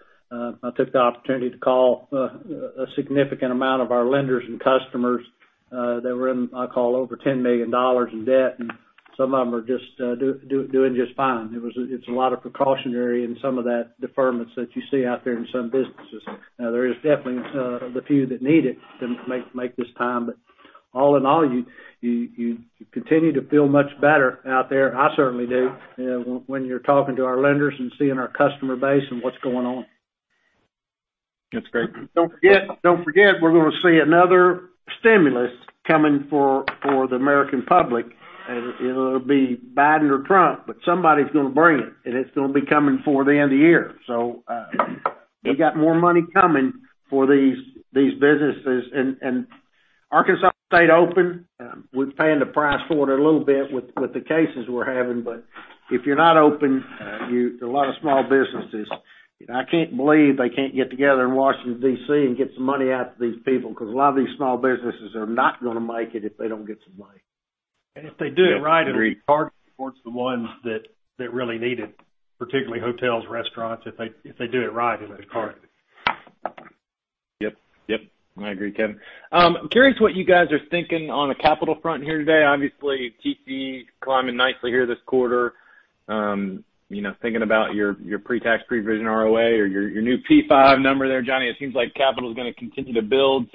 I took the opportunity to call a significant amount of our lenders and customers that were in, I call, over $10 million in debt, and some of them are just doing just fine. It's a lot of precautionary and some of that deferments that you see out there in some businesses. There is definitely the few that need it to make this time. All in all, you continue to feel much better out there. I certainly do, when you're talking to our lenders and seeing our customer base and what's going on. That's great. Don't forget, we're going to see another stimulus coming for the American public, and it'll be Biden or Trump, but somebody's going to bring it, and it's going to be coming for the end of the year. We got more money coming for these businesses. Arkansas stayed open. We're paying the price for it a little bit with the cases we're having. If you're not open, a lot of small businesses, I can't believe they can't get together in Washington, D.C., and get some money out to these people, because a lot of these small businesses are not going to make it if they don't get some money. If they do it right. Yeah, agreed. it'll be targeted towards the ones that really need it, particularly hotels, restaurants, if they do it right, it'll be targeted. Yep. I agree, Kevin. I'm curious what you guys are thinking on the capital front here today. Obviously, TC climbing nicely here this quarter. Thinking about your pre-tax pre-provision ROA or your new P5 number there, Johnny. It seems like capital's going to continue to build.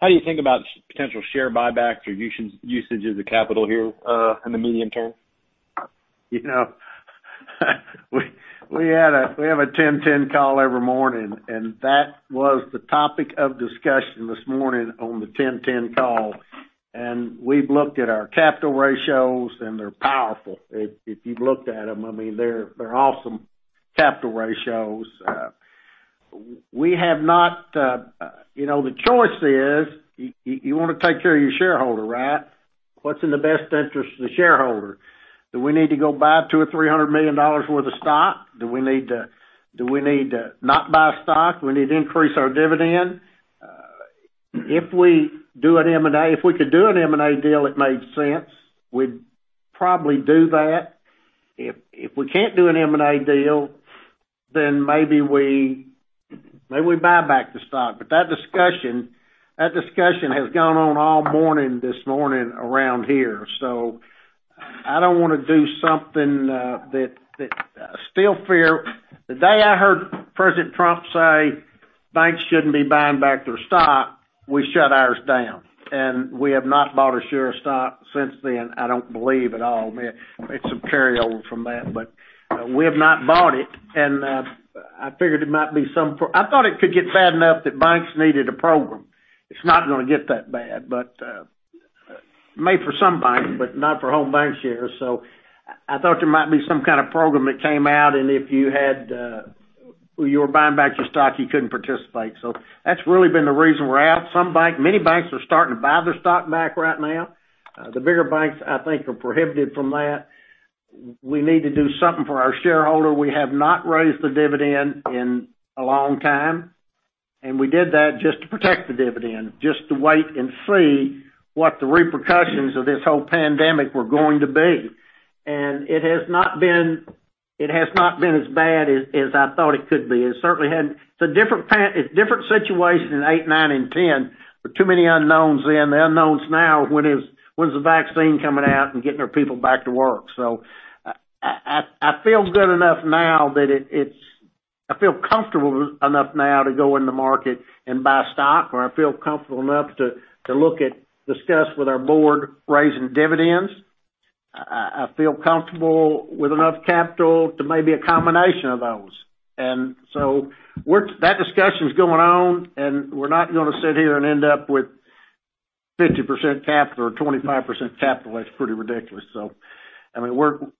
How do you think about potential share buybacks or usage of the capital here in the medium term? We have a 10/10 call every morning. That was the topic of discussion this morning on the 10/10 call. We've looked at our capital ratios, and they're powerful. If you've looked at them, they're awesome capital ratios. The choice is, you want to take care of your shareholder, right? What's in the best interest of the shareholder? Do we need to go buy $200 million or $300 million worth of stock? Do we need to not buy stock? Do we need to increase our dividend? If we could do an M&A deal that made sense, we'd probably do that. If we can't do an M&A deal, maybe we buy back the stock. That discussion has gone on all morning this morning around here. I don't want to do something that I still fear. The day I heard President Trump say banks shouldn't be buying back their stock, we shut ours down, and we have not bought a share of stock since then, I don't believe at all. May have made some carryover from that, but we have not bought it. I thought it could get bad enough that banks needed a program. It's not going to get that bad, but maybe for some banks, but not for Home BancShares. I thought there might be some kind of program that came out, and if you were buying back your stock, you couldn't participate. That's really been the reason we're out. Many banks are starting to buy their stock back right now. The bigger banks, I think, are prohibited from that. We need to do something for our shareholder. We have not raised the dividend in a long time. We did that just to protect the dividend, just to wait and see what the repercussions of this whole pandemic were going to be. It has not been as bad as I thought it could be. It's a different situation in 2008, 2009, and 2010. There were too many unknowns then. The unknowns now, when is the vaccine coming out and getting our people back to work? I feel good enough now that I feel comfortable enough now to go in the market and buy stock, or I feel comfortable enough to look at discuss with our board raising dividends. I feel comfortable with enough capital to maybe a combination of those. That discussion's going on, and we're not going to sit here and end up with 50% capital or 25% capital. That's pretty ridiculous. What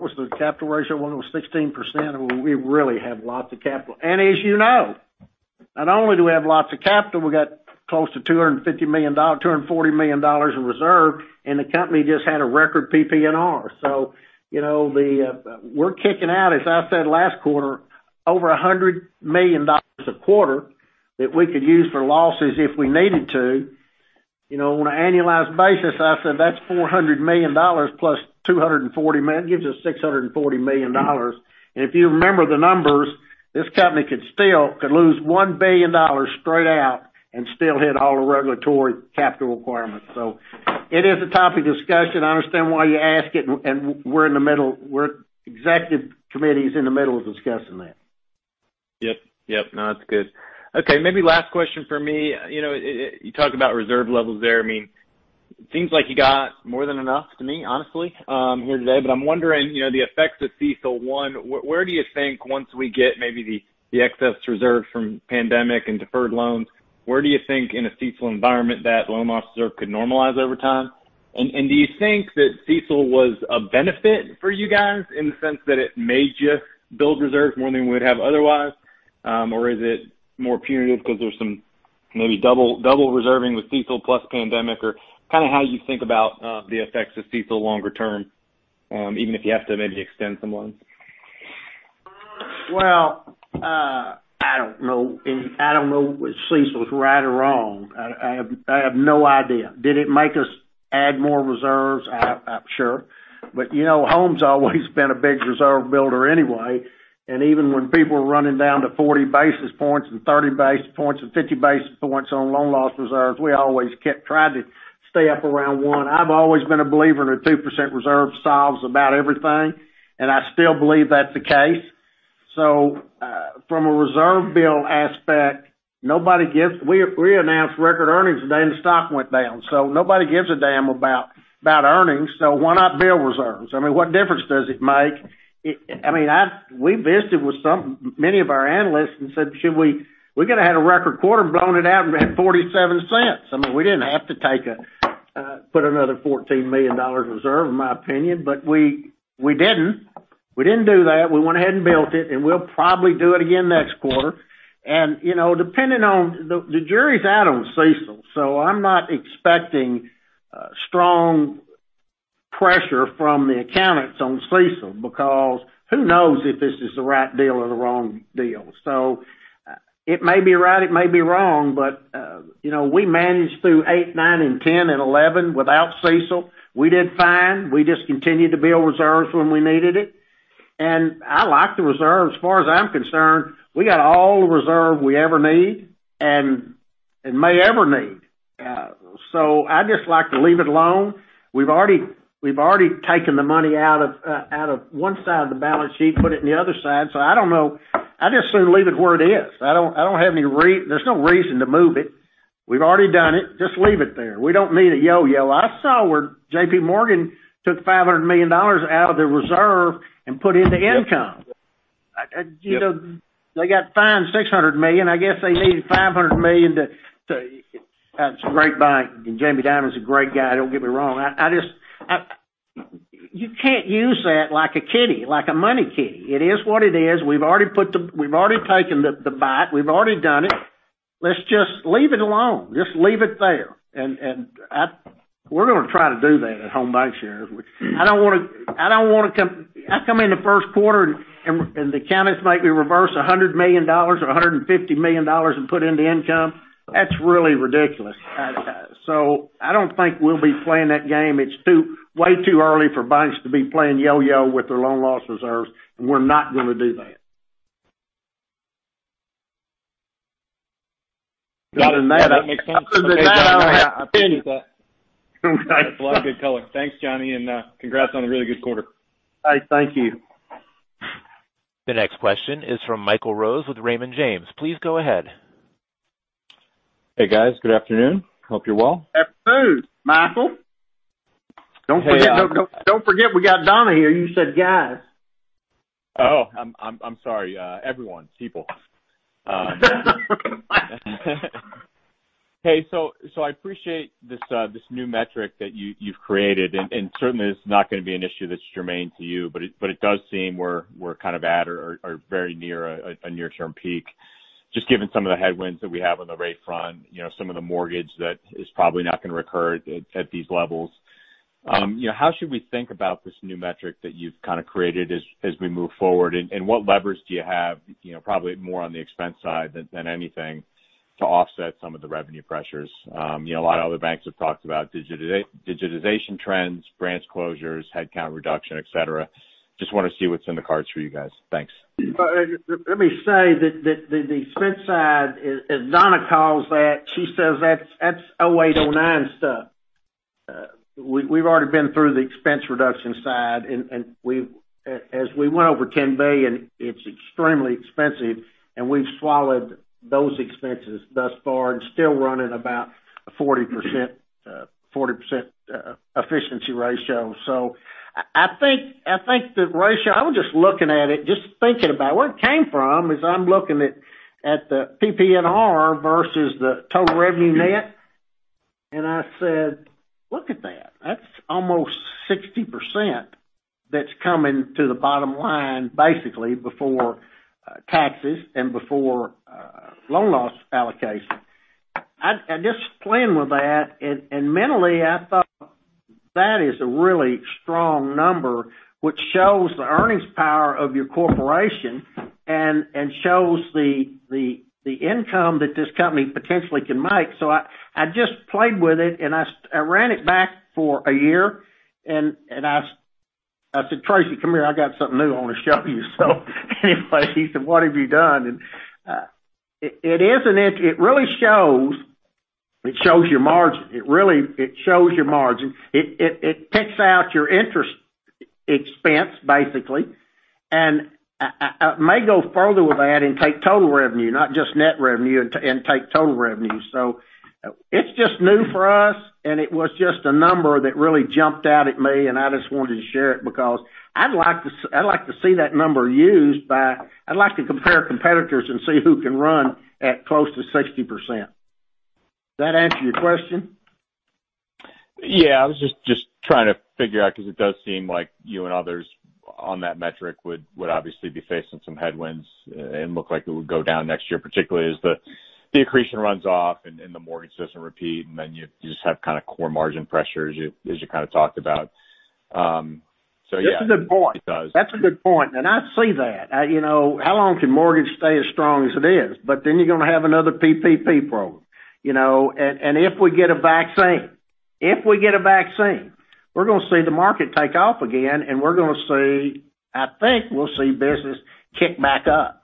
was the capital ratio? One was 16%. We really have lots of capital. As you know, not only do we have lots of capital, we got close to $240 million in reserve, and the company just had a record PPNR. We're kicking out, as I said last quarter, over $100 million a quarter that we could use for losses if we needed to. On an annualized basis, I said that's $400 million+$240 million, gives us $640 million. If you remember the numbers, this company could lose $1 billion straight out and still hit all the regulatory capital requirements. It is a topic of discussion. I understand why you ask it, executive committee is in the middle of discussing that. Yep. No, that's good. Okay, maybe last question for me. You talked about reserve levels there. It seems like you got more than enough to me, honestly, here today. I'm wondering, the effects of CECL one, where do you think once we get maybe the excess reserves from pandemic and deferred loans, where do you think in a CECL environment that loan loss reserve could normalize over time? Do you think that CECL was a benefit for you guys in the sense that it made you build reserves more than you would have otherwise? Is it more punitive because there's some maybe double reserving with CECL plus pandemic? Kind of how you think about the effects of CECL longer term, even if you have to maybe extend some loans. Well, I don't know if CECL is right or wrong. I have no idea. Did it make us add more reserves? Sure. Home's always been a big reserve builder anyway, and even when people are running down to 40 basis points and 30 basis points and 50 basis points on loan loss reserves, we always kept trying to stay up around one. I've always been a believer that 2% reserve solves about everything, and I still believe that's the case. From a reserve build aspect, we announced record earnings today and the stock went down. Nobody gives a damn about earnings, so why not build reserves? I mean, what difference does it make? We visited with many of our analysts and said, "We could've had a record quarter, blown it out, and we're at $0.47." I mean, we didn't have to put another $14 million reserve, in my opinion. We didn't. We didn't do that. We went ahead and built it, and we'll probably do it again next quarter. Depending on The jury's out on CECL, so I'm not expecting strong pressure from the accountants on CECL, because who knows if this is the right deal or the wrong deal. It may be right, it may be wrong. We managed through 8%, 9% and 10% and 11% without CECL. We did fine. We just continued to build reserves when we needed it. I like the reserve. As far as I'm concerned, we got all the reserve we ever need, and may ever need. I'd just like to leave it alone. We've already taken the money out of one side of the balance sheet, put it in the other side. I don't know. I'd just as soon leave it where it is. There's no reason to move it. We've already done it. Just leave it there. We don't need to yo-yo. I saw where JPMorgan took $500 million out of their reserve and put it into income. Yep. They got fined $600 million. I guess they needed $500 million to That's a great bank, and Jamie Dimon's a great guy. Don't get me wrong. You can't use that like a kitty, like a money kitty. It is what it is. We've already taken the bite. We've already done it. Let's just leave it alone. Just leave it there. We're going to try to do that at Home BancShares. Not come in the first quarter and the accountants make me reverse $100 million or $150 million and put it into income. That's really ridiculous. I don't think we'll be playing that game. It's way too early for banks to be playing yo-yo with their loan loss reserves, and we're not going to do that. Got it. No, that makes sense. I appreciate that. That's a lot of good color. Thanks, Johnny, and congrats on a really good quarter. All right. Thank you. The next question is from Michael Rose with Raymond James. Please go ahead. Hey, guys. Good afternoon. Hope you're well. Afternoon, Michael. Hey, y'all. Don't forget we got Donna here. You said guys. Oh, I'm sorry. Everyone, people. I appreciate this new metric that you've created, and certainly it's not going to be an issue that's germane to you. It does seem we're kind of at or very near a near-term peak, just given some of the headwinds that we have on the rate front, some of the mortgage that is probably not going to recur at these levels. How should we think about this new metric that you've kind of created as we move forward, and what leverage do you have, probably more on the expense side than anything, to offset some of the revenue pressures? A lot of other banks have talked about digitization trends, branch closures, headcount reduction, et cetera. Just want to see what's in the cards for you guys. Thanks. Let me say that the expense side, as Donna calls that, she says that's 2008, 2009 stuff. We've already been through the expense reduction side, and as we went over 10B, and it's extremely expensive, and we've swallowed those expenses thus far and still running about a 40% efficiency ratio. I think the ratio, I was just looking at it, just thinking about where it came from, as I'm looking at the PPNR versus the total revenue net, and I said, "Look at that. That's almost 60% that's coming to the bottom line, basically before taxes and before loan loss allocation. I just played with that, and mentally, I thought, "That is a really strong number, which shows the earnings power of your corporation and shows the income that this company potentially can make." I just played with it, and I ran it back for a year, and I said, "Tracy, come here. I got something new I want to show you." Anyway, he said, "What have you done?" It really shows your margin. It really shows your margin. It takes out your interest expense, basically, and I may go further with that and take total revenue, not just net revenue, and take total revenue. It's just new for us, and it was just a number that really jumped out at me, and I just wanted to share it because I'd like to see that number used by-- I'd like to compare competitors and see who can run at close to 60%. Does that answer your question? Yeah. I was just trying to figure out, because it does seem like you and others on that metric would obviously be facing some headwinds and look like it would go down next year, particularly as the accretion runs off and the mortgage doesn't repeat, and then you just have kind of core margin pressures, as you kind of talked about. Yeah, it does. That's a good point. I see that. How long can mortgage stay as strong as it is? You're going to have another PPP program. If we get a vaccine, we're going to see the market take off again, and we're going to see, I think we'll see business kick back up.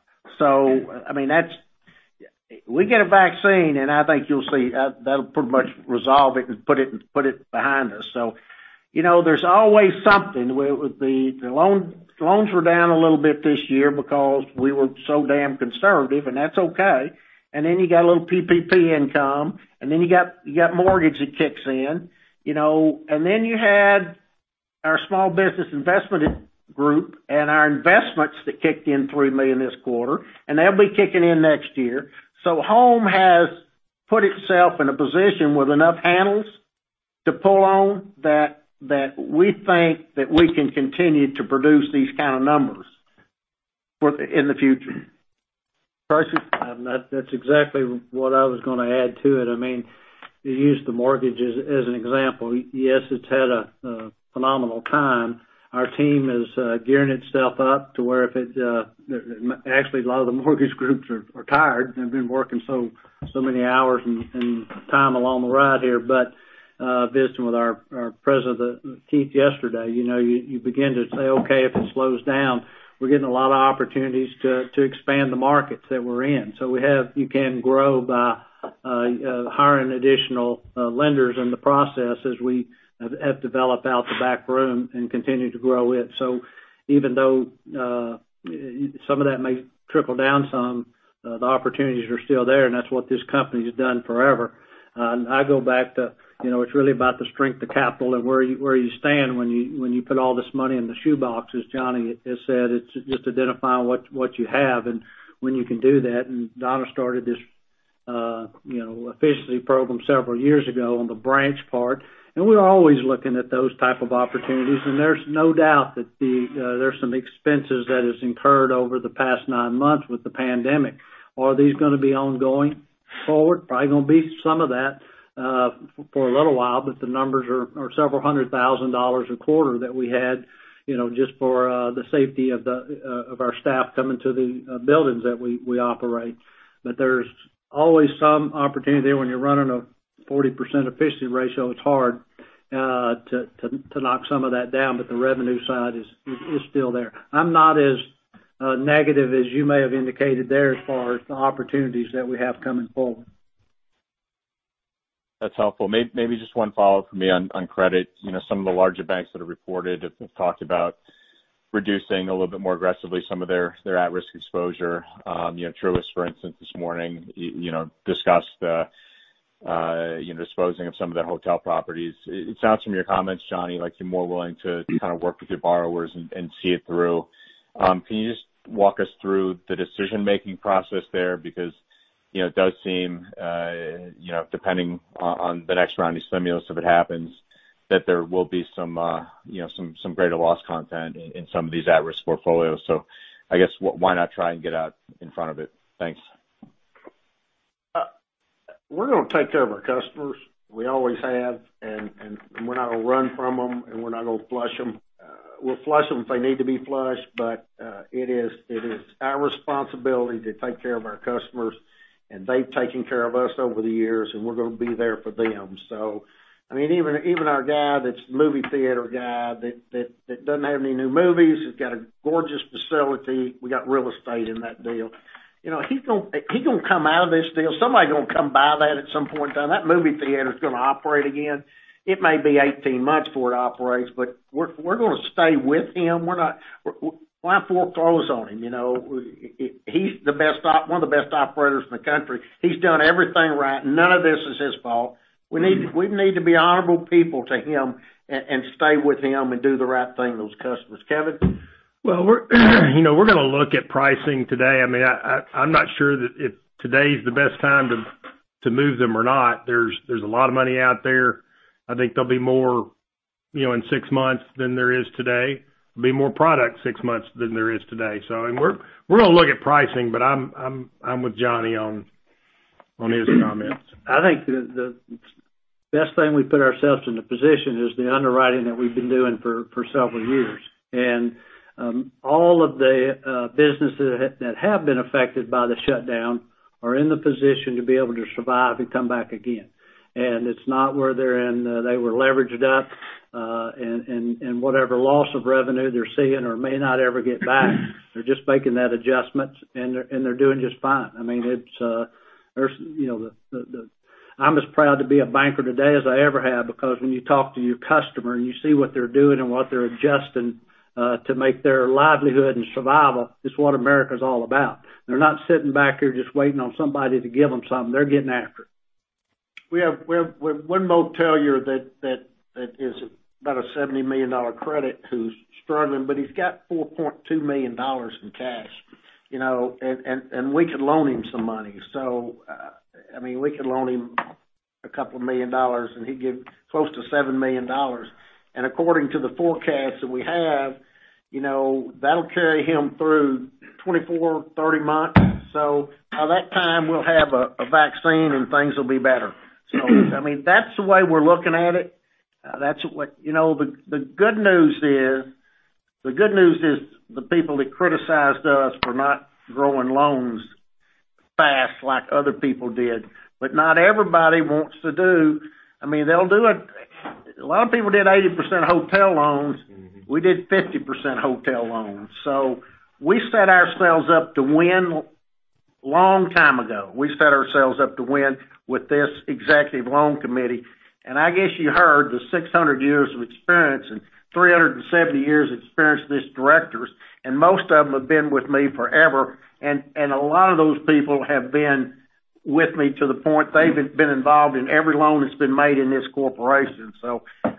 We get a vaccine, and I think you'll see that'll pretty much resolve it and put it behind us. There's always something. The loans were down a little bit this year because we were so damn conservative, and that's okay. You got a little PPP income, and then you got mortgage that kicks in. You had our small business investment group and our investments that kicked in $3 million this quarter, and they'll be kicking in next year. Home has put itself in a position with enough handles to pull on that we think that we can continue to produce these kind of numbers in the future. Price, that's exactly what I was going to add to it. You used the mortgage as an example. Yes, it's had a phenomenal time. Our team is gearing itself up to where actually, a lot of the mortgage groups are tired and have been working so many hours and time along the ride here. Visiting with our President, Keith, yesterday, you begin to say, okay, if it slows down, we're getting a lot of opportunities to expand the markets that we're in. You can grow by hiring additional lenders in the process as we have developed out the backroom and continue to grow it. Even though some of that may trickle down some, the opportunities are still there, and that's what this company's done forever. I go back to, it's really about the strength of capital and where you stand when you put all this money in the shoebox, as Johnny has said. It's just identifying what you have and when you can do that. Donna started this efficiency program several years ago on the branch part, and we're always looking at those type of opportunities. There's no doubt that there's some expenses that is incurred over the past nine months with the pandemic. Are these going to be ongoing forward? Probably going to be some of that for a little while, but the numbers are $several hundred thousand a quarter that we had just for the safety of our staff coming to the buildings that we operate. There's always some opportunity there when you're running a 40% efficiency ratio, it's hard to knock some of that down, but the revenue side is still there. I'm not as negative as you may have indicated there as far as the opportunities that we have coming forward. That's helpful. Maybe just one follow-up from me on credit. Some of the larger banks that have reported have talked about reducing a little bit more aggressively some of their at-risk exposure. Truist, for instance, this morning, discussed disposing of some of their hotel properties. It sounds from your comments, Johnny, like you're more willing to kind of work with your borrowers and see it through. Can you just walk us through the decision-making process there? Because it does seem, depending on the next round of stimulus, if it happens, that there will be some greater loss content in some of these at-risk portfolios. I guess, why not try and get out in front of it? Thanks. We're going to take care of our customers. We always have, and we're not going to run from them, and we're not going to flush them. We'll flush them if they need to be flushed, but it is our responsibility to take care of our customers, and they've taken care of us over the years, and we're going to be there for them. Even our guy, that's movie theater guy that doesn't have any new movies, has got a gorgeous facility. We got real estate in that deal. He's going to come out of this deal. Somebody going to come buy that at some point in time. That movie theater's going to operate again. It may be 18 months before it operates, but we're going to stay with him. Why foreclose on him? He's one of the best operators in the country. He's done everything right. None of this is his fault. We need to be honorable people to him and stay with him and do the right thing to those customers. Kevin? Well, we're going to look at pricing today. I'm not sure that if today's the best time to move them or not. There's a lot of money out there. I think there'll be more in six months than there is today. There'll be more product six months than there is today. We're going to look at pricing, but I'm with Johnny on his comments. I think the best thing we put ourselves in the position is the underwriting that we've been doing for several years. All of the businesses that have been affected by the shutdown are in the position to be able to survive and come back again. It's not where they were leveraged up. Whatever loss of revenue they're seeing or may not ever get back, they're just making that adjustment, and they're doing just fine. I'm as proud to be a banker today as I ever have because when you talk to your customer and you see what they're doing and what they're adjusting to make their livelihood and survival, it's what America's all about. They're not sitting back here just waiting on somebody to give them something. They're getting after it. We have one motelier that is about a $70 million credit who's struggling, but he's got $4.2 million in cash. We could loan him some money. We could loan him a couple of million dollars, and he'd give close to $7 million. According to the forecasts that we have, that'll carry him through 24, 30 months. By that time, we'll have a vaccine, and things will be better. That's the way we're looking at it. The good news is the people that criticized us for not growing loans fast like other people did, but not everybody wants to do. A lot of people did 80% hotel loans. We did 50% hotel loans. We set ourselves up to win a long time ago. We set ourselves up to win with this executive loan committee. I guess you heard, the 600 years of experience and 370 years experience of these directors, and most of them have been with me forever. A lot of those people have been with me to the point they've been involved in every loan that's been made in this corporation.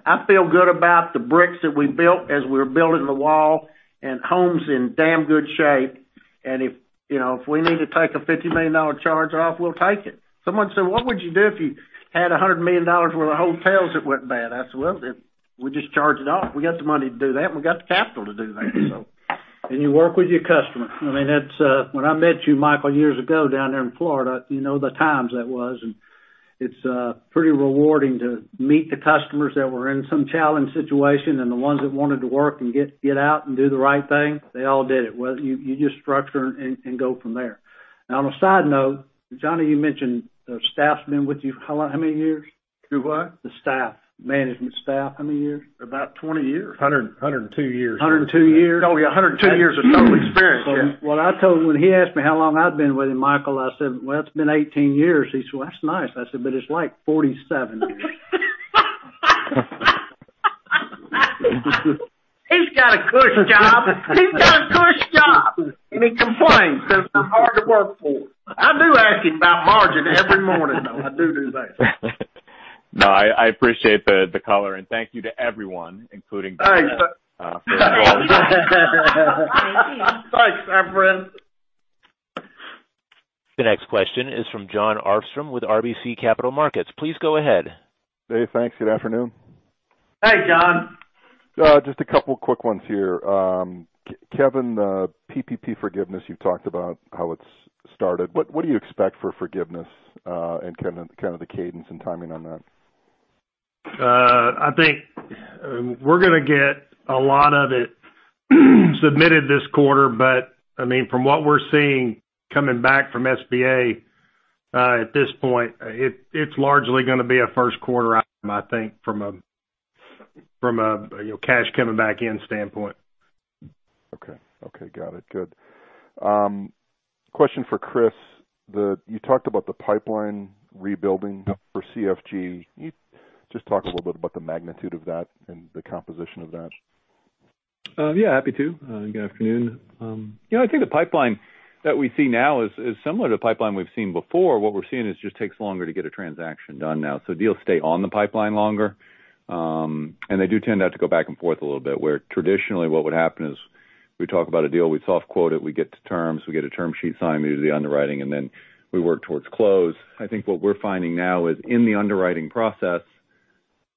I feel good about the bricks that we built as we were building the wall, and Home's in damn good shape. If we need to take a $50 million charge off, we'll take it. Someone said, "What would you do if you had $100 million worth of hotels that went bad?" I said, "Well, we'd just charge it off." We got the money to do that, and we got the capital to do that. You work with your customer. When I met you, Michael, years ago down there in Florida, you know the times that was, It's pretty rewarding to meet the customers that were in some challenging situation and the ones that wanted to work and get out and do the right thing. They all did it. Well, you just structure and go from there. On a side note, Johnny, you mentioned the staff's been with you how many years? Through what? The staff. Management staff, how many years? About 20 years. 102 years. 102 years. Oh, yeah, 102 years of total experience, yeah. When he asked me how long I'd been with him, Michael, I said, "Well, it's been 18 years." He said, "Well, that's nice." I said, "But it's like 47 years." He's got a cush job, and he complains because I'm hard to work for. I do ask him about margin every morning, though. I do that. No, I appreciate the color, and thank you to everyone. Thanks, everyone. Thanks, everyone. The next question is from Jon Arfstrom with RBC Capital Markets. Please go ahead. Gary, thanks. Good afternoon. Hey, John. Just a couple quick ones here. Kevin, PPP forgiveness, you've talked about how it's started. What do you expect for forgiveness and kind of the cadence and timing on that? I think we're going to get a lot of it submitted this quarter, but from what we're seeing coming back from SBA at this point, it's largely going to be a first quarter item, I think, from a cash coming back in standpoint. Okay. Got it. Good. Question for Chris. You talked about the pipeline rebuilding for CCFG. Can you just talk a little bit about the magnitude of that and the composition of that? Happy to. Good afternoon. I think the pipeline that we see now is similar to the pipeline we've seen before. What we're seeing is it just takes longer to get a transaction done now. Deals stay on the pipeline longer. They do tend not to go back and forth a little bit, where traditionally what would happen is we talk about a deal, we soft quote it, we get to terms, we get a term sheet signed, we do the underwriting, then we work towards close. I think what we're finding now is in the underwriting process,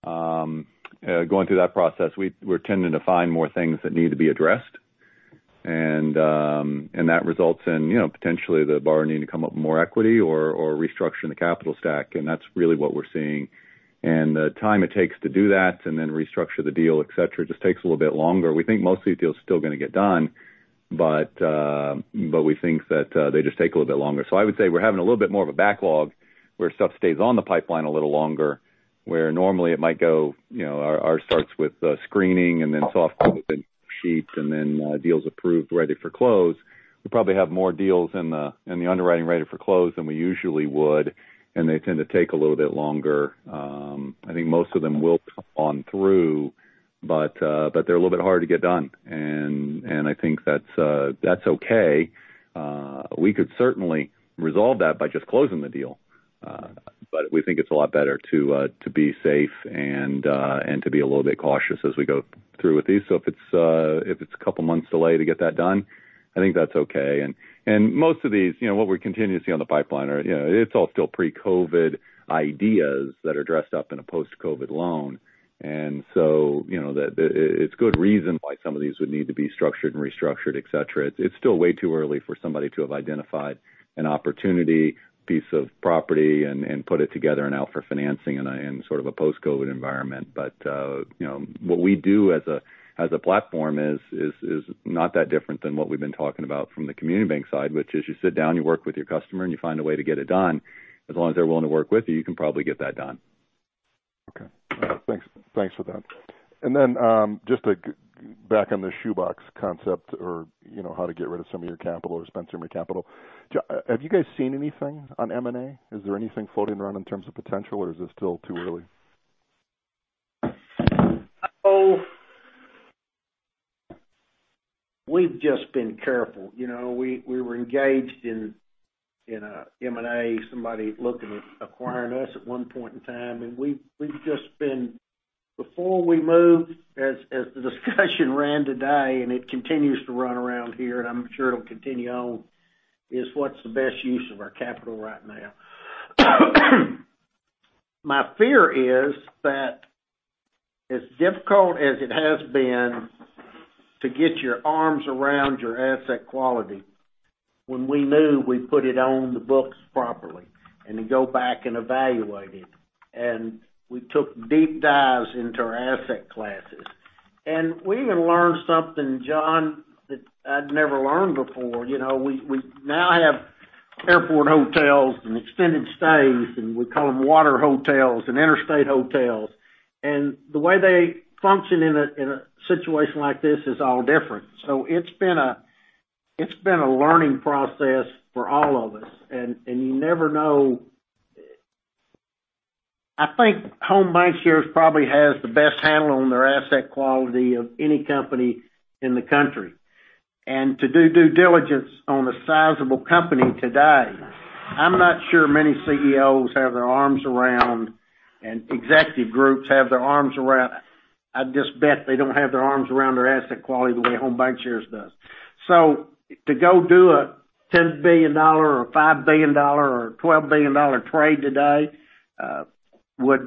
going through that process, we're tending to find more things that need to be addressed. That results in potentially the borrower needing to come up with more equity or restructure the capital stack, and that's really what we're seeing. The time it takes to do that and then restructure the deal, et cetera, just takes a little bit longer. We think most of these deals are still going to get done, but we think that they just take a little bit longer. I would say we're having a little bit more of a backlog where stuff stays on the pipeline a little longer, where normally it might go, ours starts with screening and then soft sheets, and then deals approved, ready for close. We probably have more deals in the underwriting ready for close than we usually would, and they tend to take a little bit longer. I think most of them will come on through, but they're a little bit hard to get done. I think that's okay. We could certainly resolve that by just closing the deal. We think it's a lot better to be safe and to be a little bit cautious as we go through with these. If it's a couple of months delay to get that done, I think that's okay. Most of these, what we continue to see on the pipeline are, it's all still pre-COVID ideas that are dressed up in a post-COVID loan. It's good reason why some of these would need to be structured and restructured, et cetera. It's still way too early for somebody to have identified an opportunity, piece of property, and put it together now for financing in sort of a post-COVID environment. What we do as a platform is not that different than what we've been talking about from the community bank side, which is you sit down, you work with your customer, and you find a way to get it done. As long as they're willing to work with you can probably get that done. Okay. Thanks for that. Just back on the shoebox concept or how to get rid of some of your capital or spend some of your capital, have you guys seen anything on M&A? Is there anything floating around in terms of potential, or is it still too early? We've just been careful. We were engaged in a M&A, somebody looking at acquiring us at one point in time, and before we moved, as the discussion ran today, and it continues to run around here, and I'm sure it'll continue on, is what's the best use of our capital right now? My fear is that as difficult as it has been to get your arms around your asset quality, when we knew we put it on the books properly and to go back and evaluate it, and we took deep dives into our asset classes. We even learned something, John, that I'd never learned before. We now have airport hotels and extended stays, and we call them water hotels and interstate hotels. The way they function in a situation like this is all different. It's been a learning process for all of us. I think Home BancShares probably has the best handle on their asset quality of any company in the country. To do due diligence on a sizable company today, I'm not sure many CEOs have their arms around, and executive groups have their arms around I just bet they don't have their arms around their asset quality the way Home BancShares does. To go do a $10 billion or a $5 billion or a $12 billion trade today, the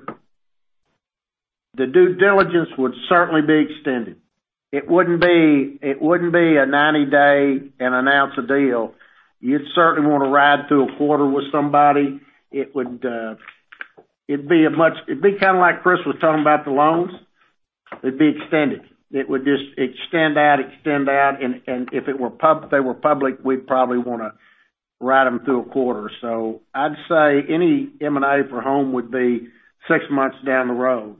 due diligence would certainly be extended. It wouldn't be a 90-day and announce a deal. You'd certainly want to ride through a quarter with somebody. It'd be kind of like Chris was telling about the loans. It'd be extended. It would just extend out. If they were public, we'd probably want to ride them through a quarter. I'd say any M&A for Home would be six months down the road.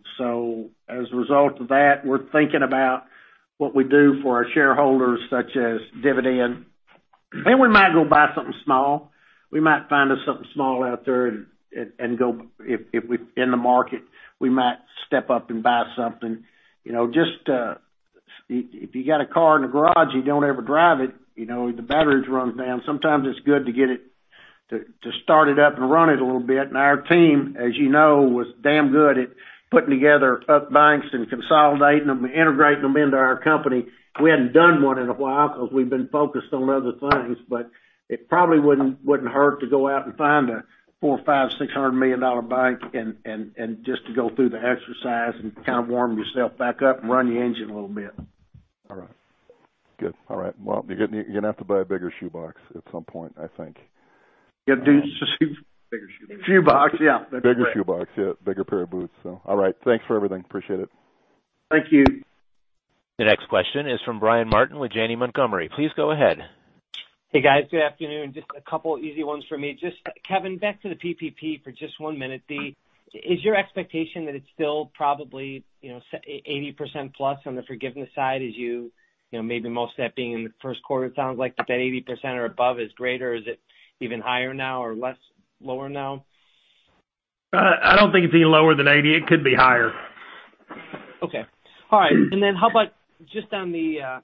As a result of that, we're thinking about what we do for our shareholders, such as dividend. We might go buy something small. We might find us something small out there and if we're in the market, we might step up and buy something. If you got a car in the garage, you don't ever drive it, the batteries run down. Sometimes it's good to start it up and run it a little bit. Our team, as you know, was damn good at putting together up banks and consolidating them and integrating them into our company. We hadn't done one in a while because we've been focused on other things, but it probably wouldn't hurt to go out and find a $400, $500, $600 million bank, and just to go through the exercise and kind of warm yourself back up and run the engine a little bit. All right. Good. All right. Well, you're going to have to buy a bigger shoebox at some point, I think. Got to do some bigger shoebox. Yeah. Bigger shoebox. Yeah. Bigger pair of boots. All right. Thanks for everything. Appreciate it. Thank you. The next question is from Brian Martin with Janney Montgomery. Please go ahead. Hey, guys. Good afternoon. Just a couple easy ones for me. Just Kevin, back to the PPP for just one minute. Is your expectation that it is still probably 80%+ on the forgiveness side? Maybe most of that being in the first quarter, it sounds like. That 80% or above is greater, is it even higher now or lower now? I don't think it's any lower than 80%. It could be higher. Okay. All right. How about just on the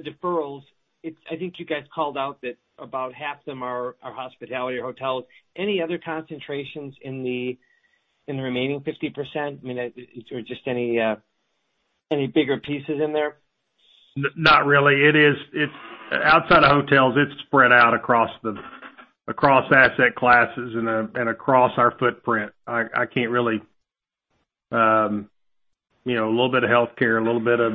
deferrals, I think you guys called out that about half of them are hospitality or hotels. Any other concentrations in the remaining 50%? Just any bigger pieces in there? Not really. Outside of hotels, it is spread out across asset classes and across our footprint. A little bit of healthcare, a little bit of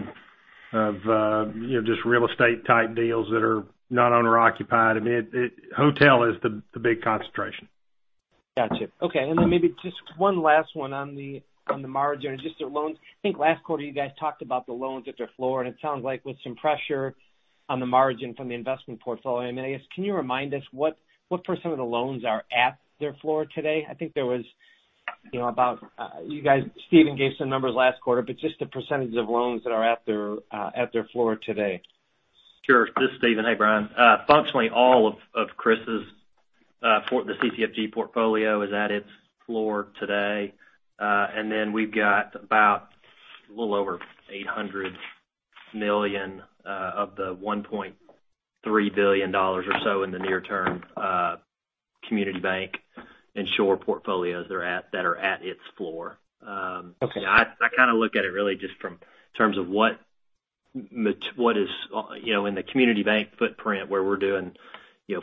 just real estate type deals that are not owner occupied. Hotel is the big concentration. Got you. Okay. Maybe just one last one on the margin and just their loans. I think last quarter you guys talked about the loans at their floor, it sounds like with some pressure on the margin from the investment portfolio, I guess, can you remind us what % of the loans are at their floor today? I think Stephen gave some numbers last quarter, just the % of loans that are at their floor today. Sure. This is Stephen. Hey, Brian. Functionally, all of Chris's, the CCFG portfolio is at its floor today. We've got about a little over $800 million of the $1.3 billion or so in the near term Community Bank Shore portfolios that are at its floor. Okay. I kind of look at it really just from terms of in the community bank footprint where we're doing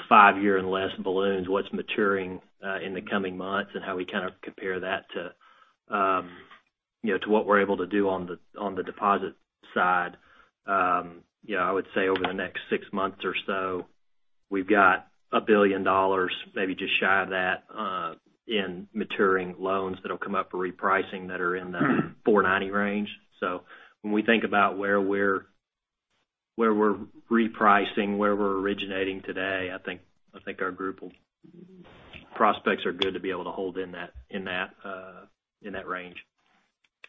five-year and less balloons, what's maturing in the coming months and how we kind of compare that to what we're able to do on the deposit side. I would say over the next six months or so, we've got $1 billion, maybe just shy of that, in maturing loans that'll come up for repricing that are in the 490 range. When we think about where we're Where we're repricing, where we're originating today, I think our group prospects are good to be able to hold in that range.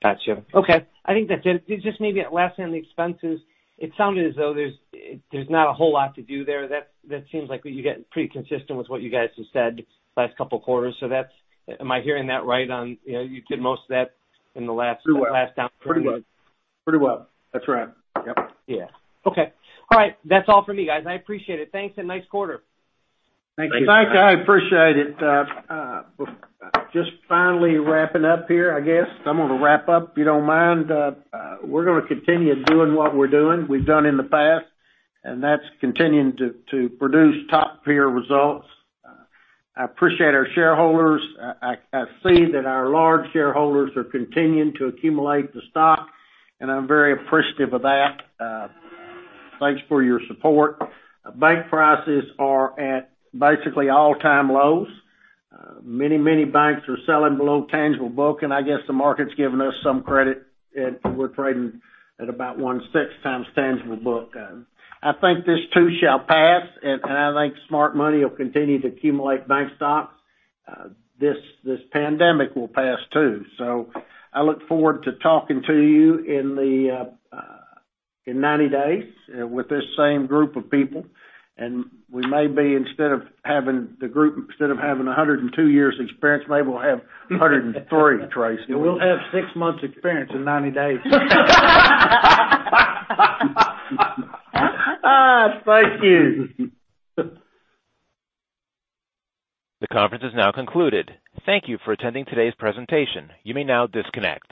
Got you. Okay. I think that's it. Just maybe last thing on the expenses. It sounded as though there's not a whole lot to do there. That seems like you're getting pretty consistent with what you guys have said the last couple of quarters. Am I hearing that right? Pretty well. Down quarter? Pretty well. That's right. Yep. Yeah. Okay. All right. That's all for me, guys. I appreciate it. Thanks, and nice quarter. Thank you. Thanks. I appreciate it. Just finally wrapping up here, I guess. I'm going to wrap up, if you don't mind. We're going to continue doing what we're doing, we've done in the past, and that's continuing to produce top-tier results. I appreciate our shareholders. I see that our large shareholders are continuing to accumulate the stock, and I'm very appreciative of that. Thanks for your support. Bank prices are at basically all-time lows. Many, many banks are selling below tangible book, and I guess the market's given us some credit, and we're trading at about 1.6x tangible book. I think this too shall pass, and I think smart money will continue to accumulate bank stocks. This pandemic will pass, too. I look forward to talking to you in 90 days with this same group of people, and we may be, instead of having 102 years experience, maybe we'll have 103, Tracy. We'll have six months experience in 90 days. Thank you. The conference has now concluded. Thank you for attending today's presentation. You may now disconnect.